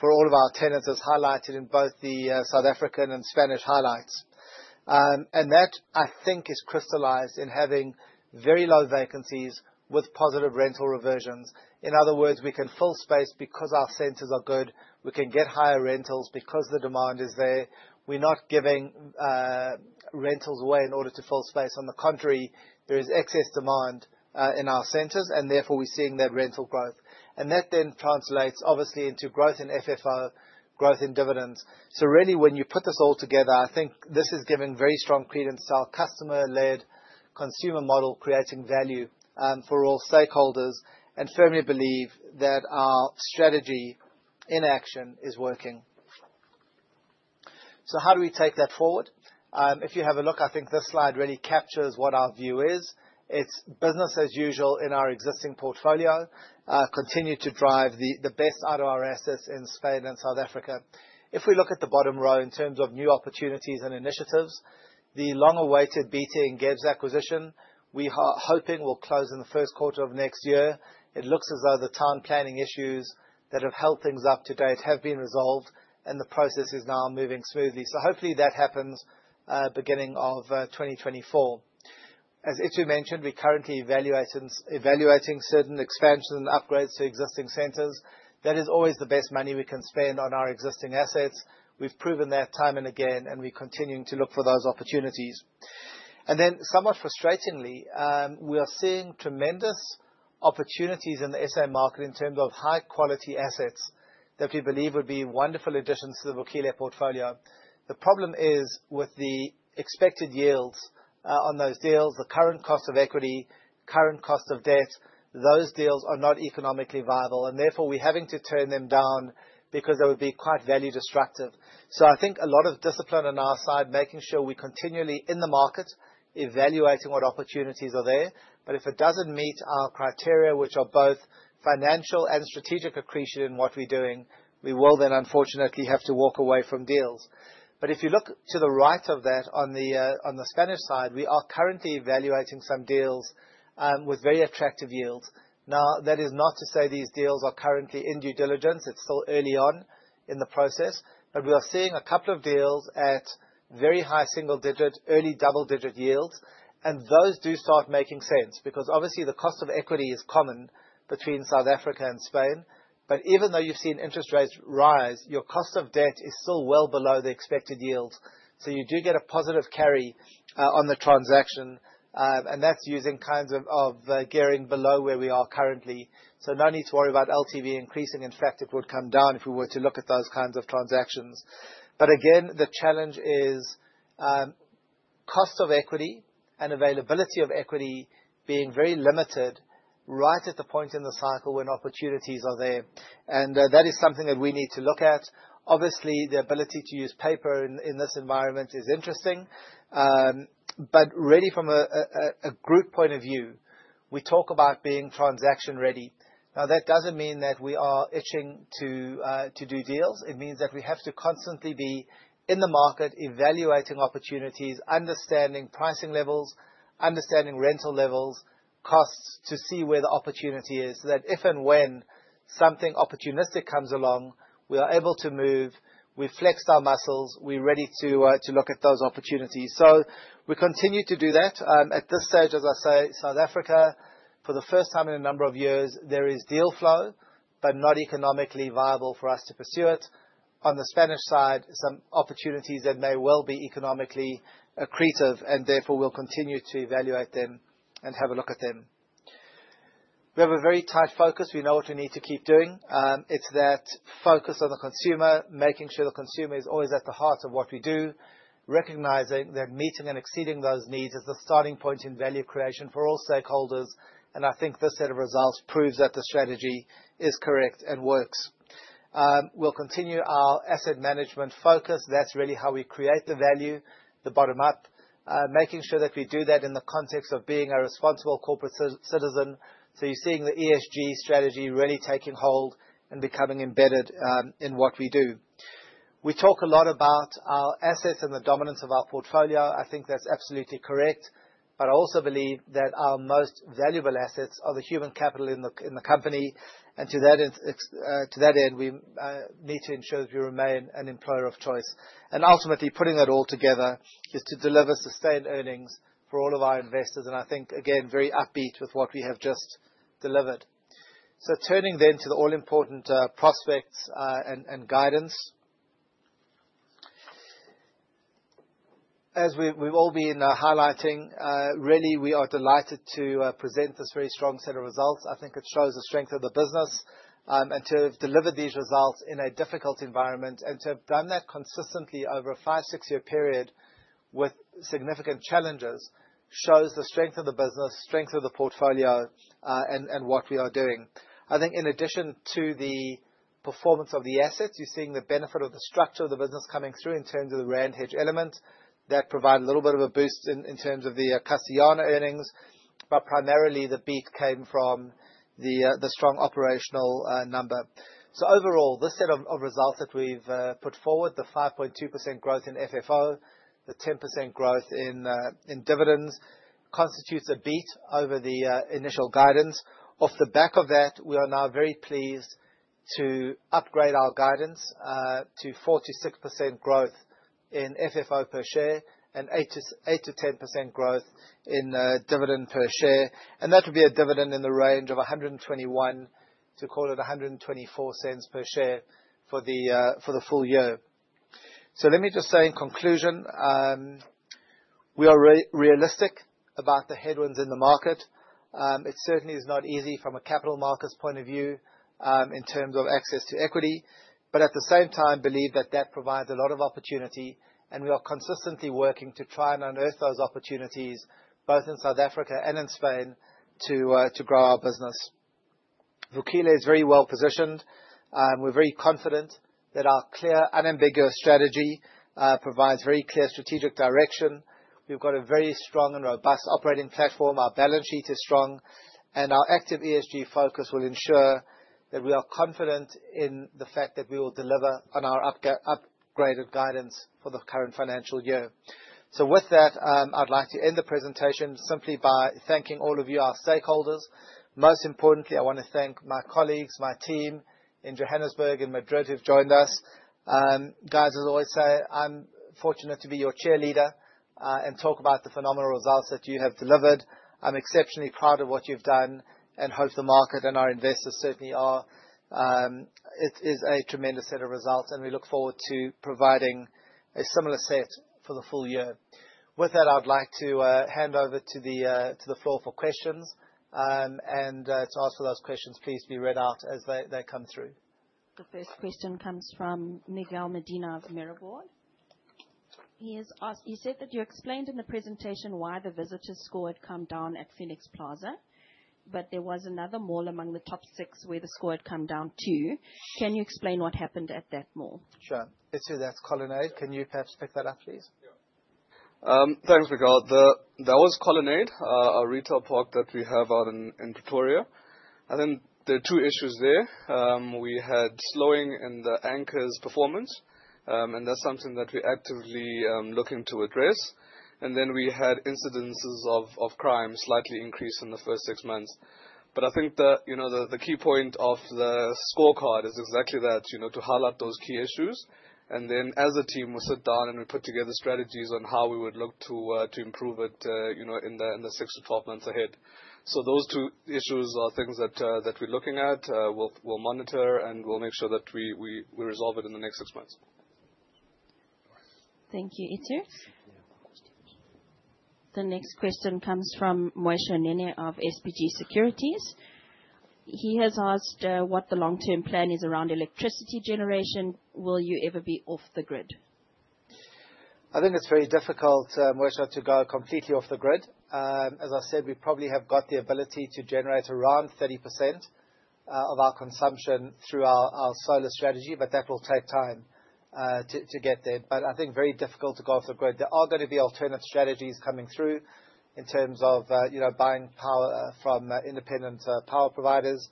for all of our tenants, as highlighted in both the South African and Spanish highlights. That, I think, is crystallized in having very low vacancies with positive rental reversions. In other words, we can fill space because our centers are good. We can get higher rentals because the demand is there. We're not giving rentals away in order to fill space. On the contrary, there is excess demand in our centers, and therefore, we're seeing that rental growth. That then translates obviously into growth in FFO, growth in dividends. Really when you put this all together, I think this is giving very strong credence to our customer-led consumer model, creating value for all stakeholders and firmly believe that our strategy in action is working. How do we take that forward? If you have a look, I think this slide really captures what our view is. It's business as usual in our existing portfolio, continue to drive the best out of our assets in Spain and South Africa. If we look at the bottom row in terms of new opportunities and initiatives, the long-awaited BT Ngebs City acquisition, we are hoping will close in the first quarter of next year. It looks as though the town planning issues that have held things up to date have been resolved, and the process is now moving smoothly. Hopefully that happens, beginning of 2024. As Itu mentioned, we're currently evaluating certain expansions and upgrades to existing centers. That is always the best money we can spend on our existing assets. We've proven that time and again, and we're continuing to look for those opportunities. Somewhat frustratingly, we are seeing tremendous opportunities in the SA market in terms of high-quality assets that we believe would be wonderful additions to the Vukile portfolio. The problem is, with the expected yields on those deals, the current cost of equity, current cost of debt, those deals are not economically viable. Therefore, we're having to turn them down because they would be quite value destructive. I think a lot of discipline on our side, making sure we're continually in the market, evaluating what opportunities are there. If it doesn't meet our criteria, which are both financial and strategic accretion in what we're doing, we will then unfortunately have to walk away from deals. If you look to the right of that on the Spanish side, we are currently evaluating some deals with very attractive yields. That is not to say these deals are currently in due diligence. It's still early on in the process. We are seeing a couple of deals at very high single-digit, early double-digit yields. Those do start making sense because obviously the cost of equity is common between South Africa and Spain. Even though you've seen interest rates rise, your cost of debt is still well below the expected yields. You do get a positive carry on the transaction, and that's using kinds of gearing below where we are currently. No need to worry about LTV increasing. In fact, it would come down if we were to look at those kinds of transactions. Again, the challenge is cost of equity and availability of equity being very limited right at the point in the cycle when opportunities are there. That is something that we need to look at. Obviously, the ability to use paper in this environment is interesting. Really from a group point of view, we talk about being transaction ready. Now, that doesn't mean that we are itching to do deals. It means that we have to constantly be in the market, evaluating opportunities, understanding pricing levels, understanding rental levels, costs, to see where the opportunity is. That if and when something opportunistic comes along, we are able to move, we've flexed our muscles, we're ready to look at those opportunities. We continue to do that. At this stage, as I say, South Africa, for the first time in a number of years, there is deal flow, but not economically viable for us to pursue it. On the Spanish side, some opportunities that may well be economically accretive, therefore we'll continue to evaluate them and have a look at them. We have a very tight focus. We know what we need to keep doing. It's that focus on the consumer, making sure the consumer is always at the heart of what we do, recognizing that meeting and exceeding those needs is the starting point in value creation for all stakeholders. I think this set of results proves that the strategy is correct and works. We'll continue our asset management focus. That's really how we create the value, the bottom up. Making sure that we do that in the context of being a responsible corporate citizen. You're seeing the ESG strategy really taking hold and becoming embedded in what we do. We talk a lot about our assets and the dominance of our portfolio. I think that's absolutely correct, but I also believe that our most valuable assets are the human capital in the company. To that end, we need to ensure that we remain an employer of choice. Ultimately, putting that all together is to deliver sustained earnings for all of our investors. I think, again, very upbeat with what we have just delivered. Turning then to the all-important prospects and guidance. As we've all been highlighting, really, we are delighted to present this very strong set of results. I think it shows the strength of the business, and to have delivered these results in a difficult environment, and to have done that consistently over a five, six-year period with significant challenges, shows the strength of the business, strength of the portfolio, and what we are doing. I think in addition to the performance of the assets, you're seeing the benefit of the structure of the business coming through in terms of the rand hedge element. That provided a little bit of a boost in terms of the Castellana earnings, but primarily the beat came from the strong operational number. Overall, this set of results that we've put forward, the 5.2% growth in FFO, the 10% growth in dividends, constitutes a beat over the initial guidance. Off the back of that, we are now very pleased to upgrade our guidance to 4%-6% growth in FFO per share and 8%-10% growth in dividend per share. That would be a dividend in the range of 1.21-1.24 per share for the full year. Let me just say in conclusion, we are realistic about the headwinds in the market. It certainly is not easy from a capital markets point of view in terms of access to equity, but at the same time, believe that that provides a lot of opportunity, and we are consistently working to try and unearth those opportunities both in South Africa and in Spain to grow our business. Vukile is very well positioned, and we're very confident that our clear, unambiguous strategy, provides very clear strategic direction. We've got a very strong and robust operating platform. Our balance sheet is strong, and our active ESG focus will ensure that we are confident in the fact that we will deliver on our upgraded guidance for the current financial year. With that, I'd like to end the presentation simply by thanking all of you, our stakeholders. Most importantly, I wanna thank my colleagues, my team in Johannesburg and Madrid who've joined us. Guys, as I always say, I'm fortunate to be your cheerleader, and talk about the phenomenal results that you have delivered. I'm exceptionally proud of what you've done and hope the market and our investors certainly are. It is a tremendous set of results. We look forward to providing a similar set for the full year. With that, I'd like to hand over to the to the floor for questions. To ask for those questions, please be read out as they come through. The first question comes from Miguel Medina of Mirabaud. He has asked... You said that you explained in the presentation why the visitors score had come down at Phoenix Plaza, but there was another mall among the top six where the score had come down, too. Can you explain what happened at that mall? Sure. It's here. That's Colonnade. Can you perhaps pick that up, please? Sure. Thanks, Miguel. That was Colonnade, a retail park that we have out in Pretoria. There are two issues there. We had slowing in the anchors' performance, and that's something that we actively looking to address. We had incidences of crime slightly increase in the first 6 months. I think, you know, the key point of the scorecard is exactly that, you know, to highlight those key issues. As a team, we'll sit down, and we put together strategies on how we would look to improve it, you know, in the six to 12 months ahead. Those two issues are things that we're looking at. We'll monitor, and we'll make sure that we resolve it in the next 6 months. Thank you, Itu. The next question comes from Mweishö Nene of SBG Securities. He has asked what the long-term plan is around electricity generation. Will you ever be off the grid? I think it's very difficult, Mweishö, to go completely off the grid. As I said, we probably have got the ability to generate around 30% of our consumption through our solar strategy, but that will take time to get there. I think very difficult to go off the grid. There are gonna be alternative strategies coming through in terms of, you know, buying power from independent power providers.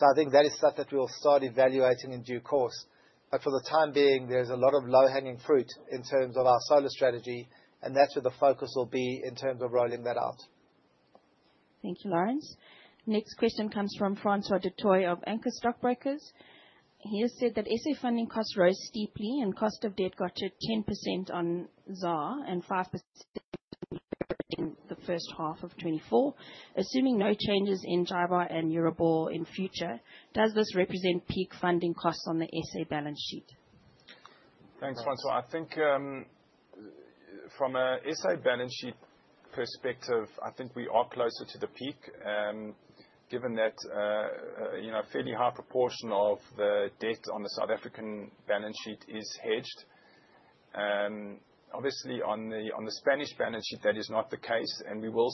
I think that is stuff that we'll start evaluating in due course. For the time being, there's a lot of low-hanging fruit in terms of our solar strategy, and that's where the focus will be in terms of rolling that out. Thank you, Laurence. Next question comes from Francois du Toit of Anchor Stockbrokers. He has said that SA funding costs rose steeply, and cost of debt got to 10% on ZAR and 5% in the first half of 2024. Assuming no changes in JIBAR and Euribor in future, does this represent peak funding costs on the SA balance sheet? Thanks, Francois. I think, from a SA balance sheet perspective, I think we are closer to the peak, given that, you know, a fairly high proportion of the debt on the South African balance sheet is hedged. Obviously on the Spanish balance sheet, that is not the case, and we will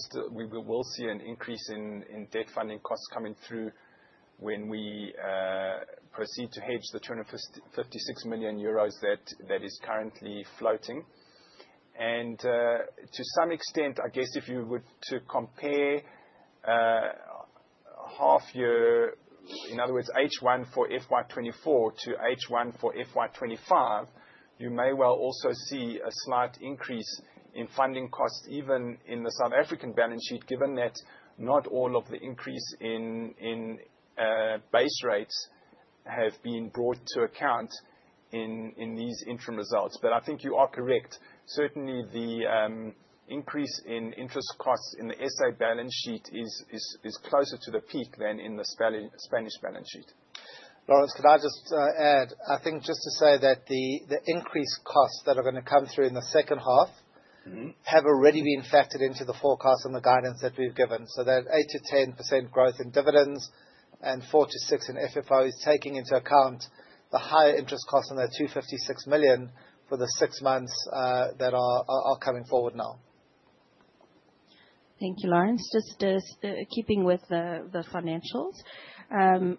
see an increase in debt funding costs coming through when we proceed to hedge the 256 million euros that is currently floating. To some extent, I guess if you were to compare half year, in other words, H1 for FY 2024 to H1 for FY 2025, you may well also see a slight increase in funding costs even in the South African balance sheet, given that not all of the increase in base rates have been brought to account in these interim results. I think you are correct. Certainly, the increase in interest costs in the SA balance sheet is closer to the peak than in the Spanish balance sheet. Laurence, could I just add, I think just to say that the increased costs that are gonna come through in the second half... Mm-hmm. have already been factored into the forecast and the guidance that we've given. That 8%-10% growth in dividends and 4%-6% in FFO is taking into account the higher interest costs on the 256 million for the six months that are coming forward now. Thank you, Laurence. Just keeping with the financials,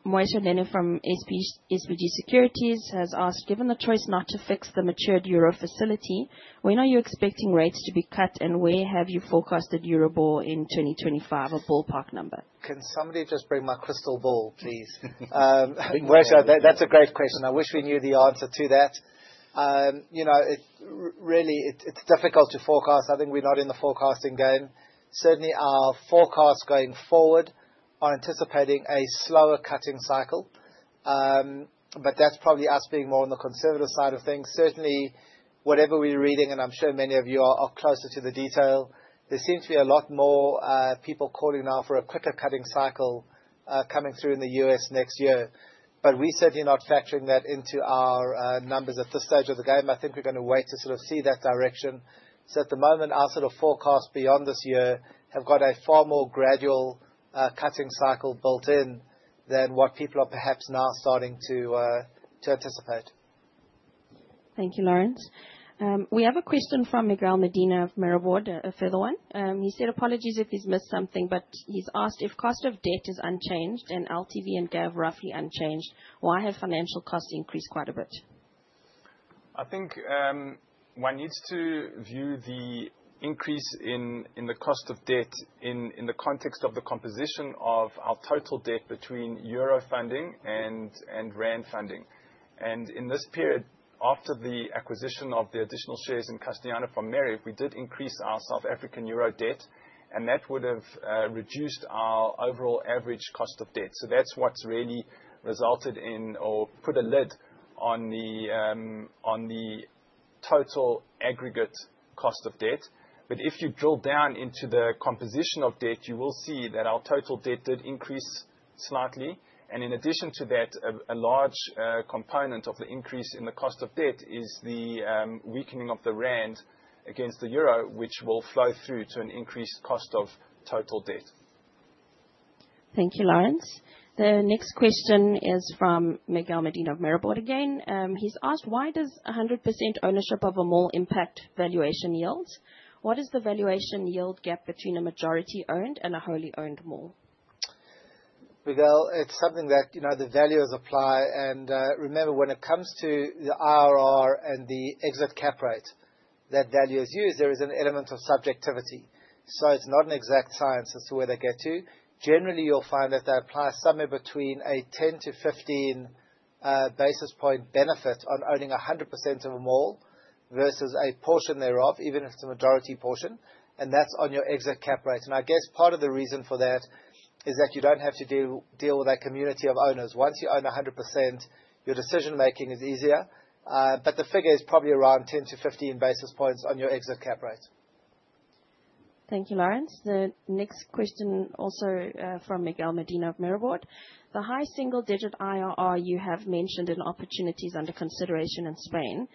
Mweishö Nene from SBG Securities has asked, given the choice not to fix the matured Euro facility, when are you expecting rates to be cut, and where have you forecasted Euribor in 2025, a ballpark number? Can somebody just bring my crystal ball, please? Mweishö, that's a great question. I wish we knew the answer to that. You know, it's difficult to forecast. I think we're not in the forecasting game. Certainly, our forecasts going forward are anticipating a slower cutting cycle. That's probably us being more on the conservative side of things. Certainly, whatever we're reading, and I'm sure many of you are closer to the detail. There seems to be a lot more people calling now for a quicker cutting cycle coming through in the U.S. next year. We're certainly not factoring that into our numbers at this stage of the game. I think we're gonna wait to sort of see that direction. At the moment, our sort of forecast beyond this year have got a far more gradual cutting cycle built in than what people are perhaps now starting to anticipate. Thank you, Laurence. We have a question from Miguel Medina of Mirabaud, a further one. He said, apologies if he's missed something, but he's asked if cost of debt is unchanged and LTV and GAV roughly unchanged, why have financial costs increased quite a bit? I think one needs to view the increase in the cost of debt in the context of the composition of our total debt between EUR funding and ZAR funding. In this period, after the acquisition of the additional shares in Castellana from Pereg, we did increase our South African EUR debt, and that would have reduced our overall average cost of debt. That's what's really resulted in or put a lid on the total aggregate cost of debt. If you drill down into the composition of debt, you will see that our total debt did increase slightly. In addition to that, a large component of the increase in the cost of debt is the weakening of the ZAR against the EUR, which will flow through to an increased cost of total debt. Thank you, Laurence. The next question is from Miguel Medina of Mirabaud again. He's asked, why does 100% ownership of a mall impact valuation yields? What is the valuation yield gap between a majority-owned and a wholly owned mall? Miguel, it's something that, you know, the values apply. Remember, when it comes to the IRR and the exit cap rate that value is used, there is an element of subjectivity. It's not an exact science as to where they get to. Generally, you'll find that they apply somewhere between a 10-15 basis point benefit on owning a 100% of a mall versus a portion thereof, even if it's a majority portion, and that's on your exit cap rate. I guess part of the reason for that is that you don't have to deal with that community of owners. Once you own a 100%, your decision-making is easier. But the figure is probably around 10-15 basis points on your exit cap rate. Thank you, Laurence. The next question, also, from Miguel Medina of Mirabaud. The high single-digit IRR you have mentioned in opportunities under consideration in Spain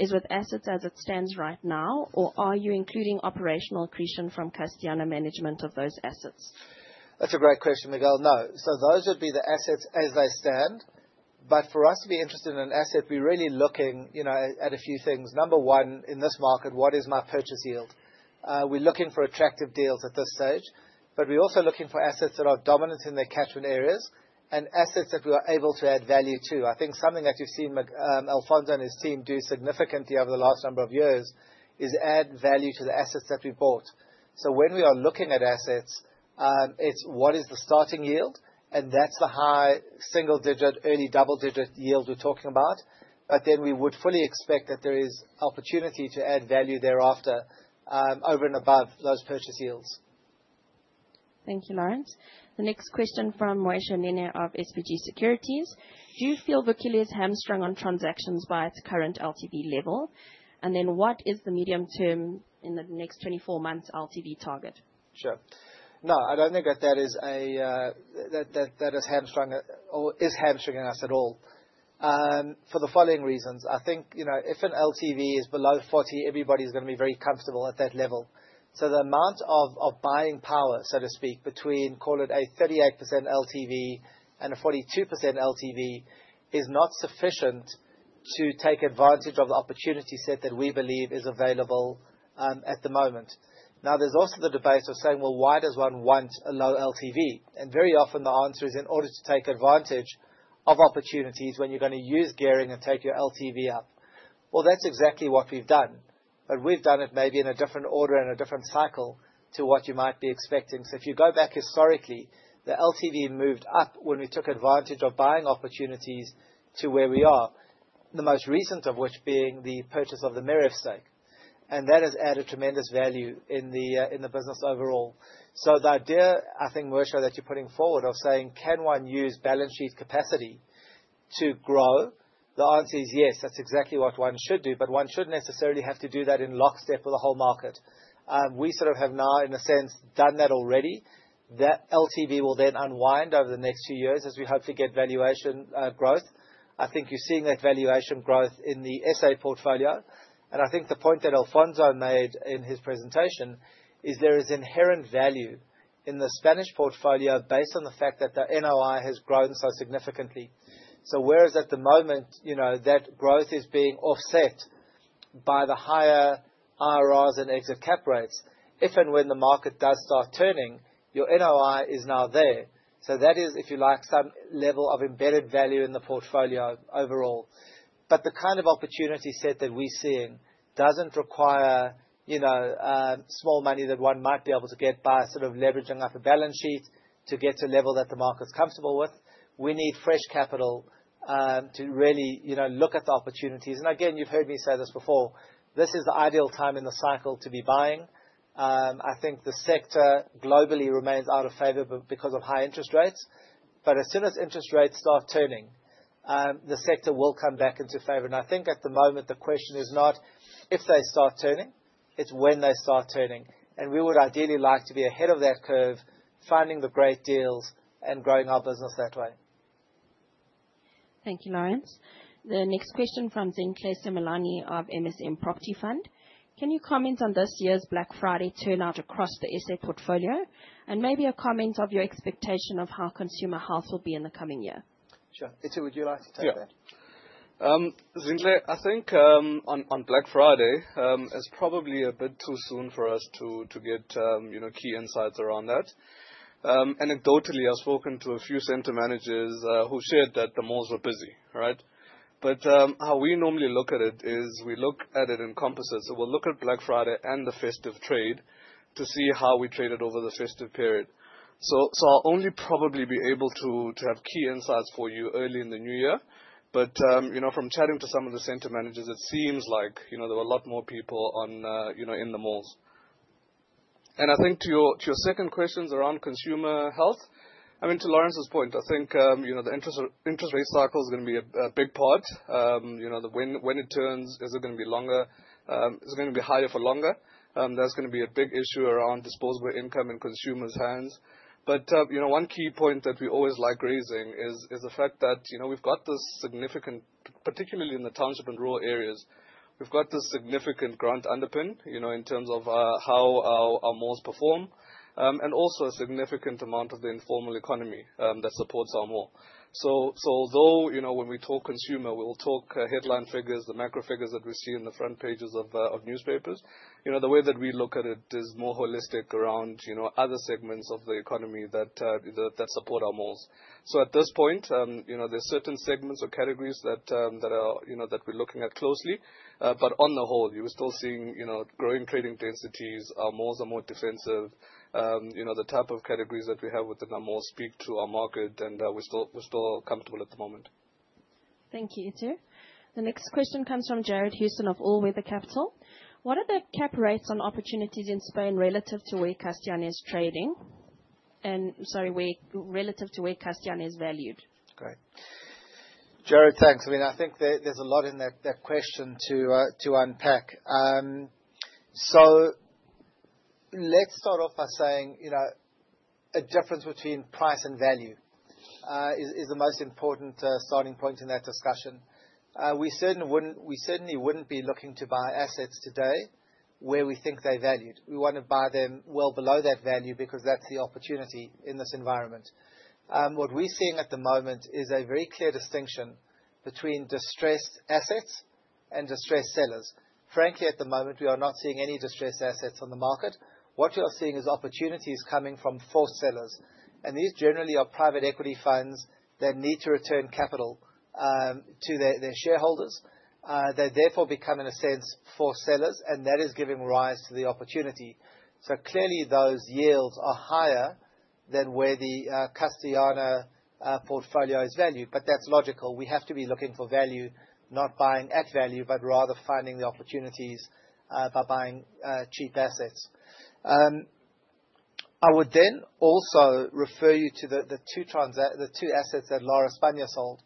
is with assets as it stands right now, or are you including operational accretion from Castellana management of those assets? That's a great question, Miguel. No. Those would be the assets as they stand. For us to be interested in an asset, we're really looking, you know, at a few things. Number one, in this market, what is my purchase yield? We're looking for attractive deals at this stage, but we're also looking for assets that are dominant in their catchment areas and assets that we are able to add value to. I think something that you've seen Alfonso and his team do significantly over the last number of years is add value to the assets that we bought. When we are looking at assets, it's what is the starting yield, and that's the high single digit, early double-digit yield we're talking about. We would fully expect that there is opportunity to add value thereafter, over and above those purchase yields. Thank you, Laurence. The next question from Mweishö Nene of SBG Securities. Do you feel Vukile hamstrung on transactions by its current LTV level? What is the medium term in the next 24 months LTV target? Sure. No, I don't think that that is hamstrung or is hamstringing us at all for the following reasons. I think, you know, if an LTV is below 40, everybody's gonna be very comfortable at that level. The amount of buying power, so to speak, between, call it a 38% LTV and a 42% LTV, is not sufficient to take advantage of the opportunity set that we believe is available at the moment. There's also the debate of saying, well, why does one want a low LTV? Very often the answer is in order to take advantage of opportunities when you're gonna use gearing and take your LTV up. That's exactly what we've done, but we've done it maybe in a different order and a different cycle to what you might be expecting. If you go back historically, the LTV moved up when we took advantage of buying opportunities to where we are. The most recent of which being the purchase of the Morze stake, and that has added tremendous value in the business overall. The idea, I think, Mweishö, that you're putting forward of saying, can one use balance sheet capacity to grow? The answer is yes. That's exactly what one should do, but one shouldn't necessarily have to do that in lockstep with the whole market. We sort of have now, in a sense, done that already. That LTV will then unwind over the next few years as we hopefully get valuation growth. I think you're seeing that valuation growth in the SA portfolio. I think the point that Alfonso made in his presentation is there is inherent value in the Spanish portfolio based on the fact that the NOI has grown so significantly. Whereas at the moment, you know, that growth is being offset by the higher IRRs and exit cap rates. If and when the market does start turning, your NOI is now there. That is, if you like, some level of embedded value in the portfolio overall. The kind of opportunity set that we're seeing doesn't require, you know, small money that one might be able to get by sort of leveraging up a balance sheet to get to a level that the market's comfortable with. We need fresh capital to really, you know, look at the opportunities. Again, you've heard me say this before. This is the ideal time in the cycle to be buying. I think the sector globally remains out of favor but because of high interest rates. As soon as interest rates start turning, the sector will come back into favor. I think at the moment, the question is not if they start turning, it's when they start turning. We would ideally like to be ahead of that curve, finding the great deals and growing our business that way. Thank you, Laurence. The next question from Zinhle Simelane of MSM Property Fund. Can you comment on this year's Black Friday turnout across the SA portfolio? Maybe a comment of your expectation of how consumer health will be in the coming year. Sure. Itu, would you like to take that? Yeah. Zinhle, I think on Black Friday, it's probably a bit too soon for us to get, you know, key insights around that. Anecdotally, I've spoken to a few center managers who shared that the malls were busy, right? How we normally look at it is we look at it in compasses. We'll look at Black Friday and the festive trade to see how we traded over the festive period. I'll only probably be able to have key insights for you early in the new year. From chatting to some of the center managers, it seems like, you know, there were a lot more people, you know, in the malls. I think to your second questions around consumer health, I mean, to Laurence's point, I think, you know, the interest rate cycle is gonna be a big part. You know, the when it turns, is it gonna be longer? Is it gonna be higher for longer? That's gonna be a big issue around disposable income in consumers' hands. You know, one key point that we always like raising is the fact that, you know, we've got this significant, particularly in the township and rural areas, we've got this significant grant underpin, you know, in terms of, how our malls perform. And also a significant amount of the informal economy, that supports our mall. Although, you know, when we talk consumer, we'll talk headline figures, the macro figures that we see in the front pages of newspapers. You know, the way that we look at it is more holistic around, you know, other segments of the economy that support our malls. At this point, you know, there's certain segments or categories that are, you know, that we're looking at closely. On the whole, you're still seeing, you know, growing trading densities. Our malls are more defensive. You know, the type of categories that we have within our malls speak to our market, and we're still comfortable at the moment. Thank you, Itu. The next question comes from Jarred Houston of All Weather Capital. What are the cap rates on opportunities in Spain relative to where Castellana is trading? Sorry, relative to where Castellana is valued? Great. Jarred, thanks. I mean, I think there's a lot in that question to unpack. Let's start off by saying, you know, a difference between price and value is the most important starting point in that discussion. We certainly wouldn't be looking to buy assets today where we think they're valued. We wanna buy them well below that value because that's the opportunity in this environment. What we're seeing at the moment is a very clear distinction between distressed assets and distressed sellers. Frankly, at the moment, we are not seeing any distressed assets on the market. What we are seeing is opportunities coming from forced sellers, these generally are private equity funds that need to return capital to their shareholders. They therefore become, in a sense, forced sellers, that is giving rise to the opportunity. Clearly those yields are higher than where the Castellana portfolio is valued. That's logical. We have to be looking for value, not buying at value, but rather finding the opportunities by buying cheap assets. I would also refer you to the two assets that Lar Espana sold,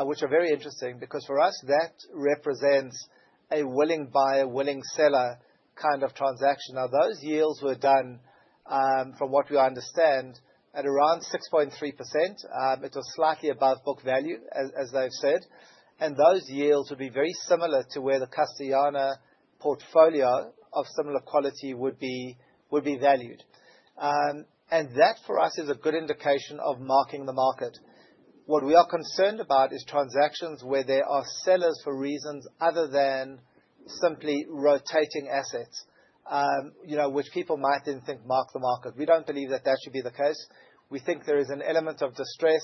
which are very interesting because for us, that represents a willing buyer, willing seller kind of transaction. Those deals were done, from what we understand, at around 6.3%. It was slightly above book value, as they've said. Those yields would be very similar to where the Castellana portfolio of similar quality would be valued. That for us is a good indication of marking the market. What we are concerned about is transactions where there are sellers for reasons other than simply rotating assets, you know, which people might then think mark the market. We don't believe that that should be the case. We think there is an element of distress.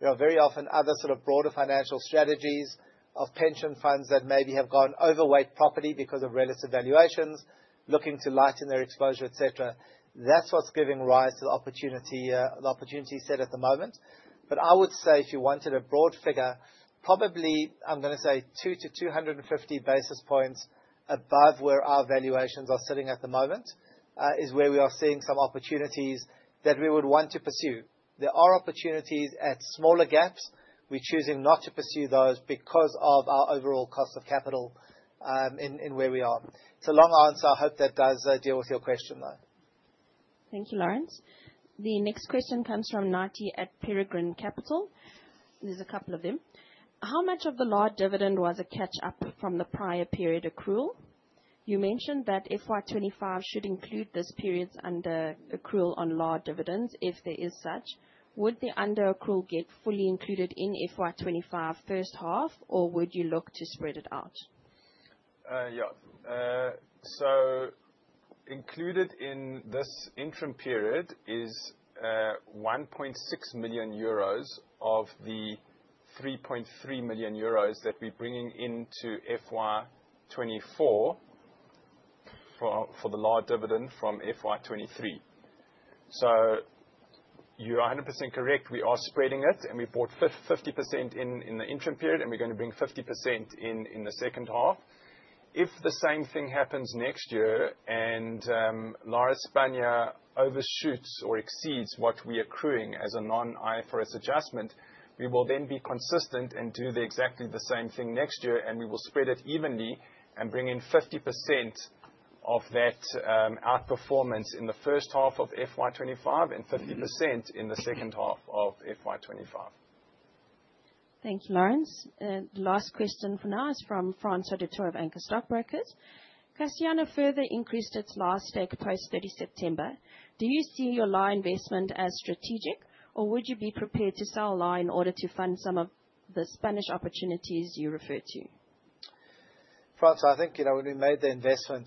There are very often other sort of broader financial strategies of pension funds that maybe have gone overweight property because of relative valuations, looking to lighten their exposure, et cetera. That's what's giving rise to the opportunity, the opportunity set at the moment. I would say if you wanted a broad figure, probably, I'm gonna say 2-250 basis points above where our valuations are sitting at the moment, is where we are seeing some opportunities that we would want to pursue. There are opportunities at smaller gaps. We're choosing not to pursue those because of our overall cost of capital, in where we are. It's a long answer. I hope that does deal with your question, though. Thank you, Laurence. The next question comes from Nati at Peregrine Capital. There's a couple of them. How much of the large dividend was a catch up from the prior period accrual? You mentioned that FY 2025 should include this period's under accrual on large dividends, if there is such. Would the under accrual get fully included in FY 2025 first half, or would you look to spread it out? Yeah. Included in this interim period is 1.6 million euros of the 3.3 million euros that we're bringing into FY 2024 for the large dividend from FY 2023. You are 100% correct. We are spreading it, and we brought 50% in the interim period, and we're gonna bring 50% in the second half. If the same thing happens next year and Lar España overshoots or exceeds what we're accruing as a non-IFRS adjustment, we will be consistent and do the exactly the same thing next year. We will spread it evenly and bring in 50% of that outperformance in the first half of FY 2025 and 50% in the second half of FY 2025. Thanks, Laurence. The last question for now is from Francois du Toit of Anchor Stockbrokers. Castellana further increased its Lar España stake post 30 September. Do you see your Lar España investment as strategic, or would you be prepared to sell Lar España in order to fund some of the Spanish opportunities you referred to? Francois, I think, you know, when we made the investment,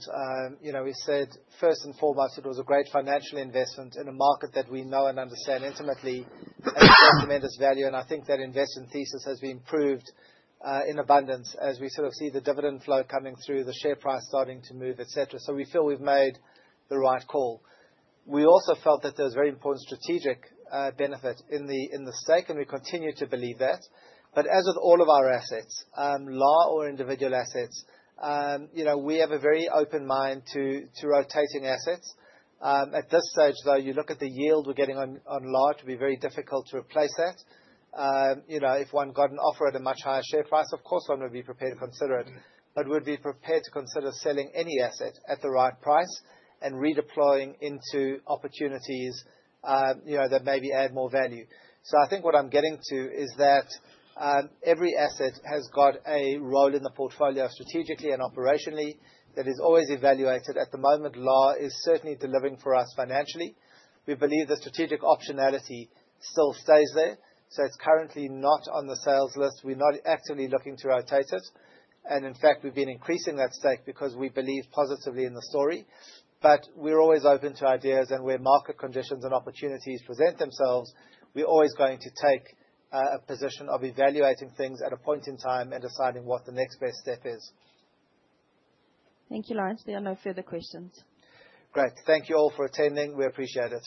you know, we said first and foremost it was a great financial investment in a market that we know and understand intimately and tremendous value. I think that investment thesis has been proved in abundance as we sort of see the dividend flow coming through, the share price starting to move, et cetera. We feel we've made the right call. We also felt that there was very important strategic benefit in the stake, and we continue to believe that. As with all of our assets, La or individual assets, you know, we have a very open mind to rotating assets. At this stage, though, you look at the yield we're getting on La, it would be very difficult to replace that. You know, if one got an offer at a much higher share price, of course, one would be prepared to consider it. We'd be prepared to consider selling any asset at the right price and redeploying into opportunities, you know, that maybe add more value. I think what I'm getting to is that, every asset has got a role in the portfolio strategically and operationally that is always evaluated. At the moment, La is certainly delivering for us financially. We believe the strategic optionality still stays there, so it's currently not on the sales list. We're not actively looking to rotate it, and in fact, we've been increasing that stake because we believe positively in the story. We're always open to ideas, and where market conditions and opportunities present themselves, we're always going to take a position of evaluating things at a point in time and deciding what the next best step is. Thank you, Laurence. There are no further questions. Great. Thank you all for attending. We appreciate it.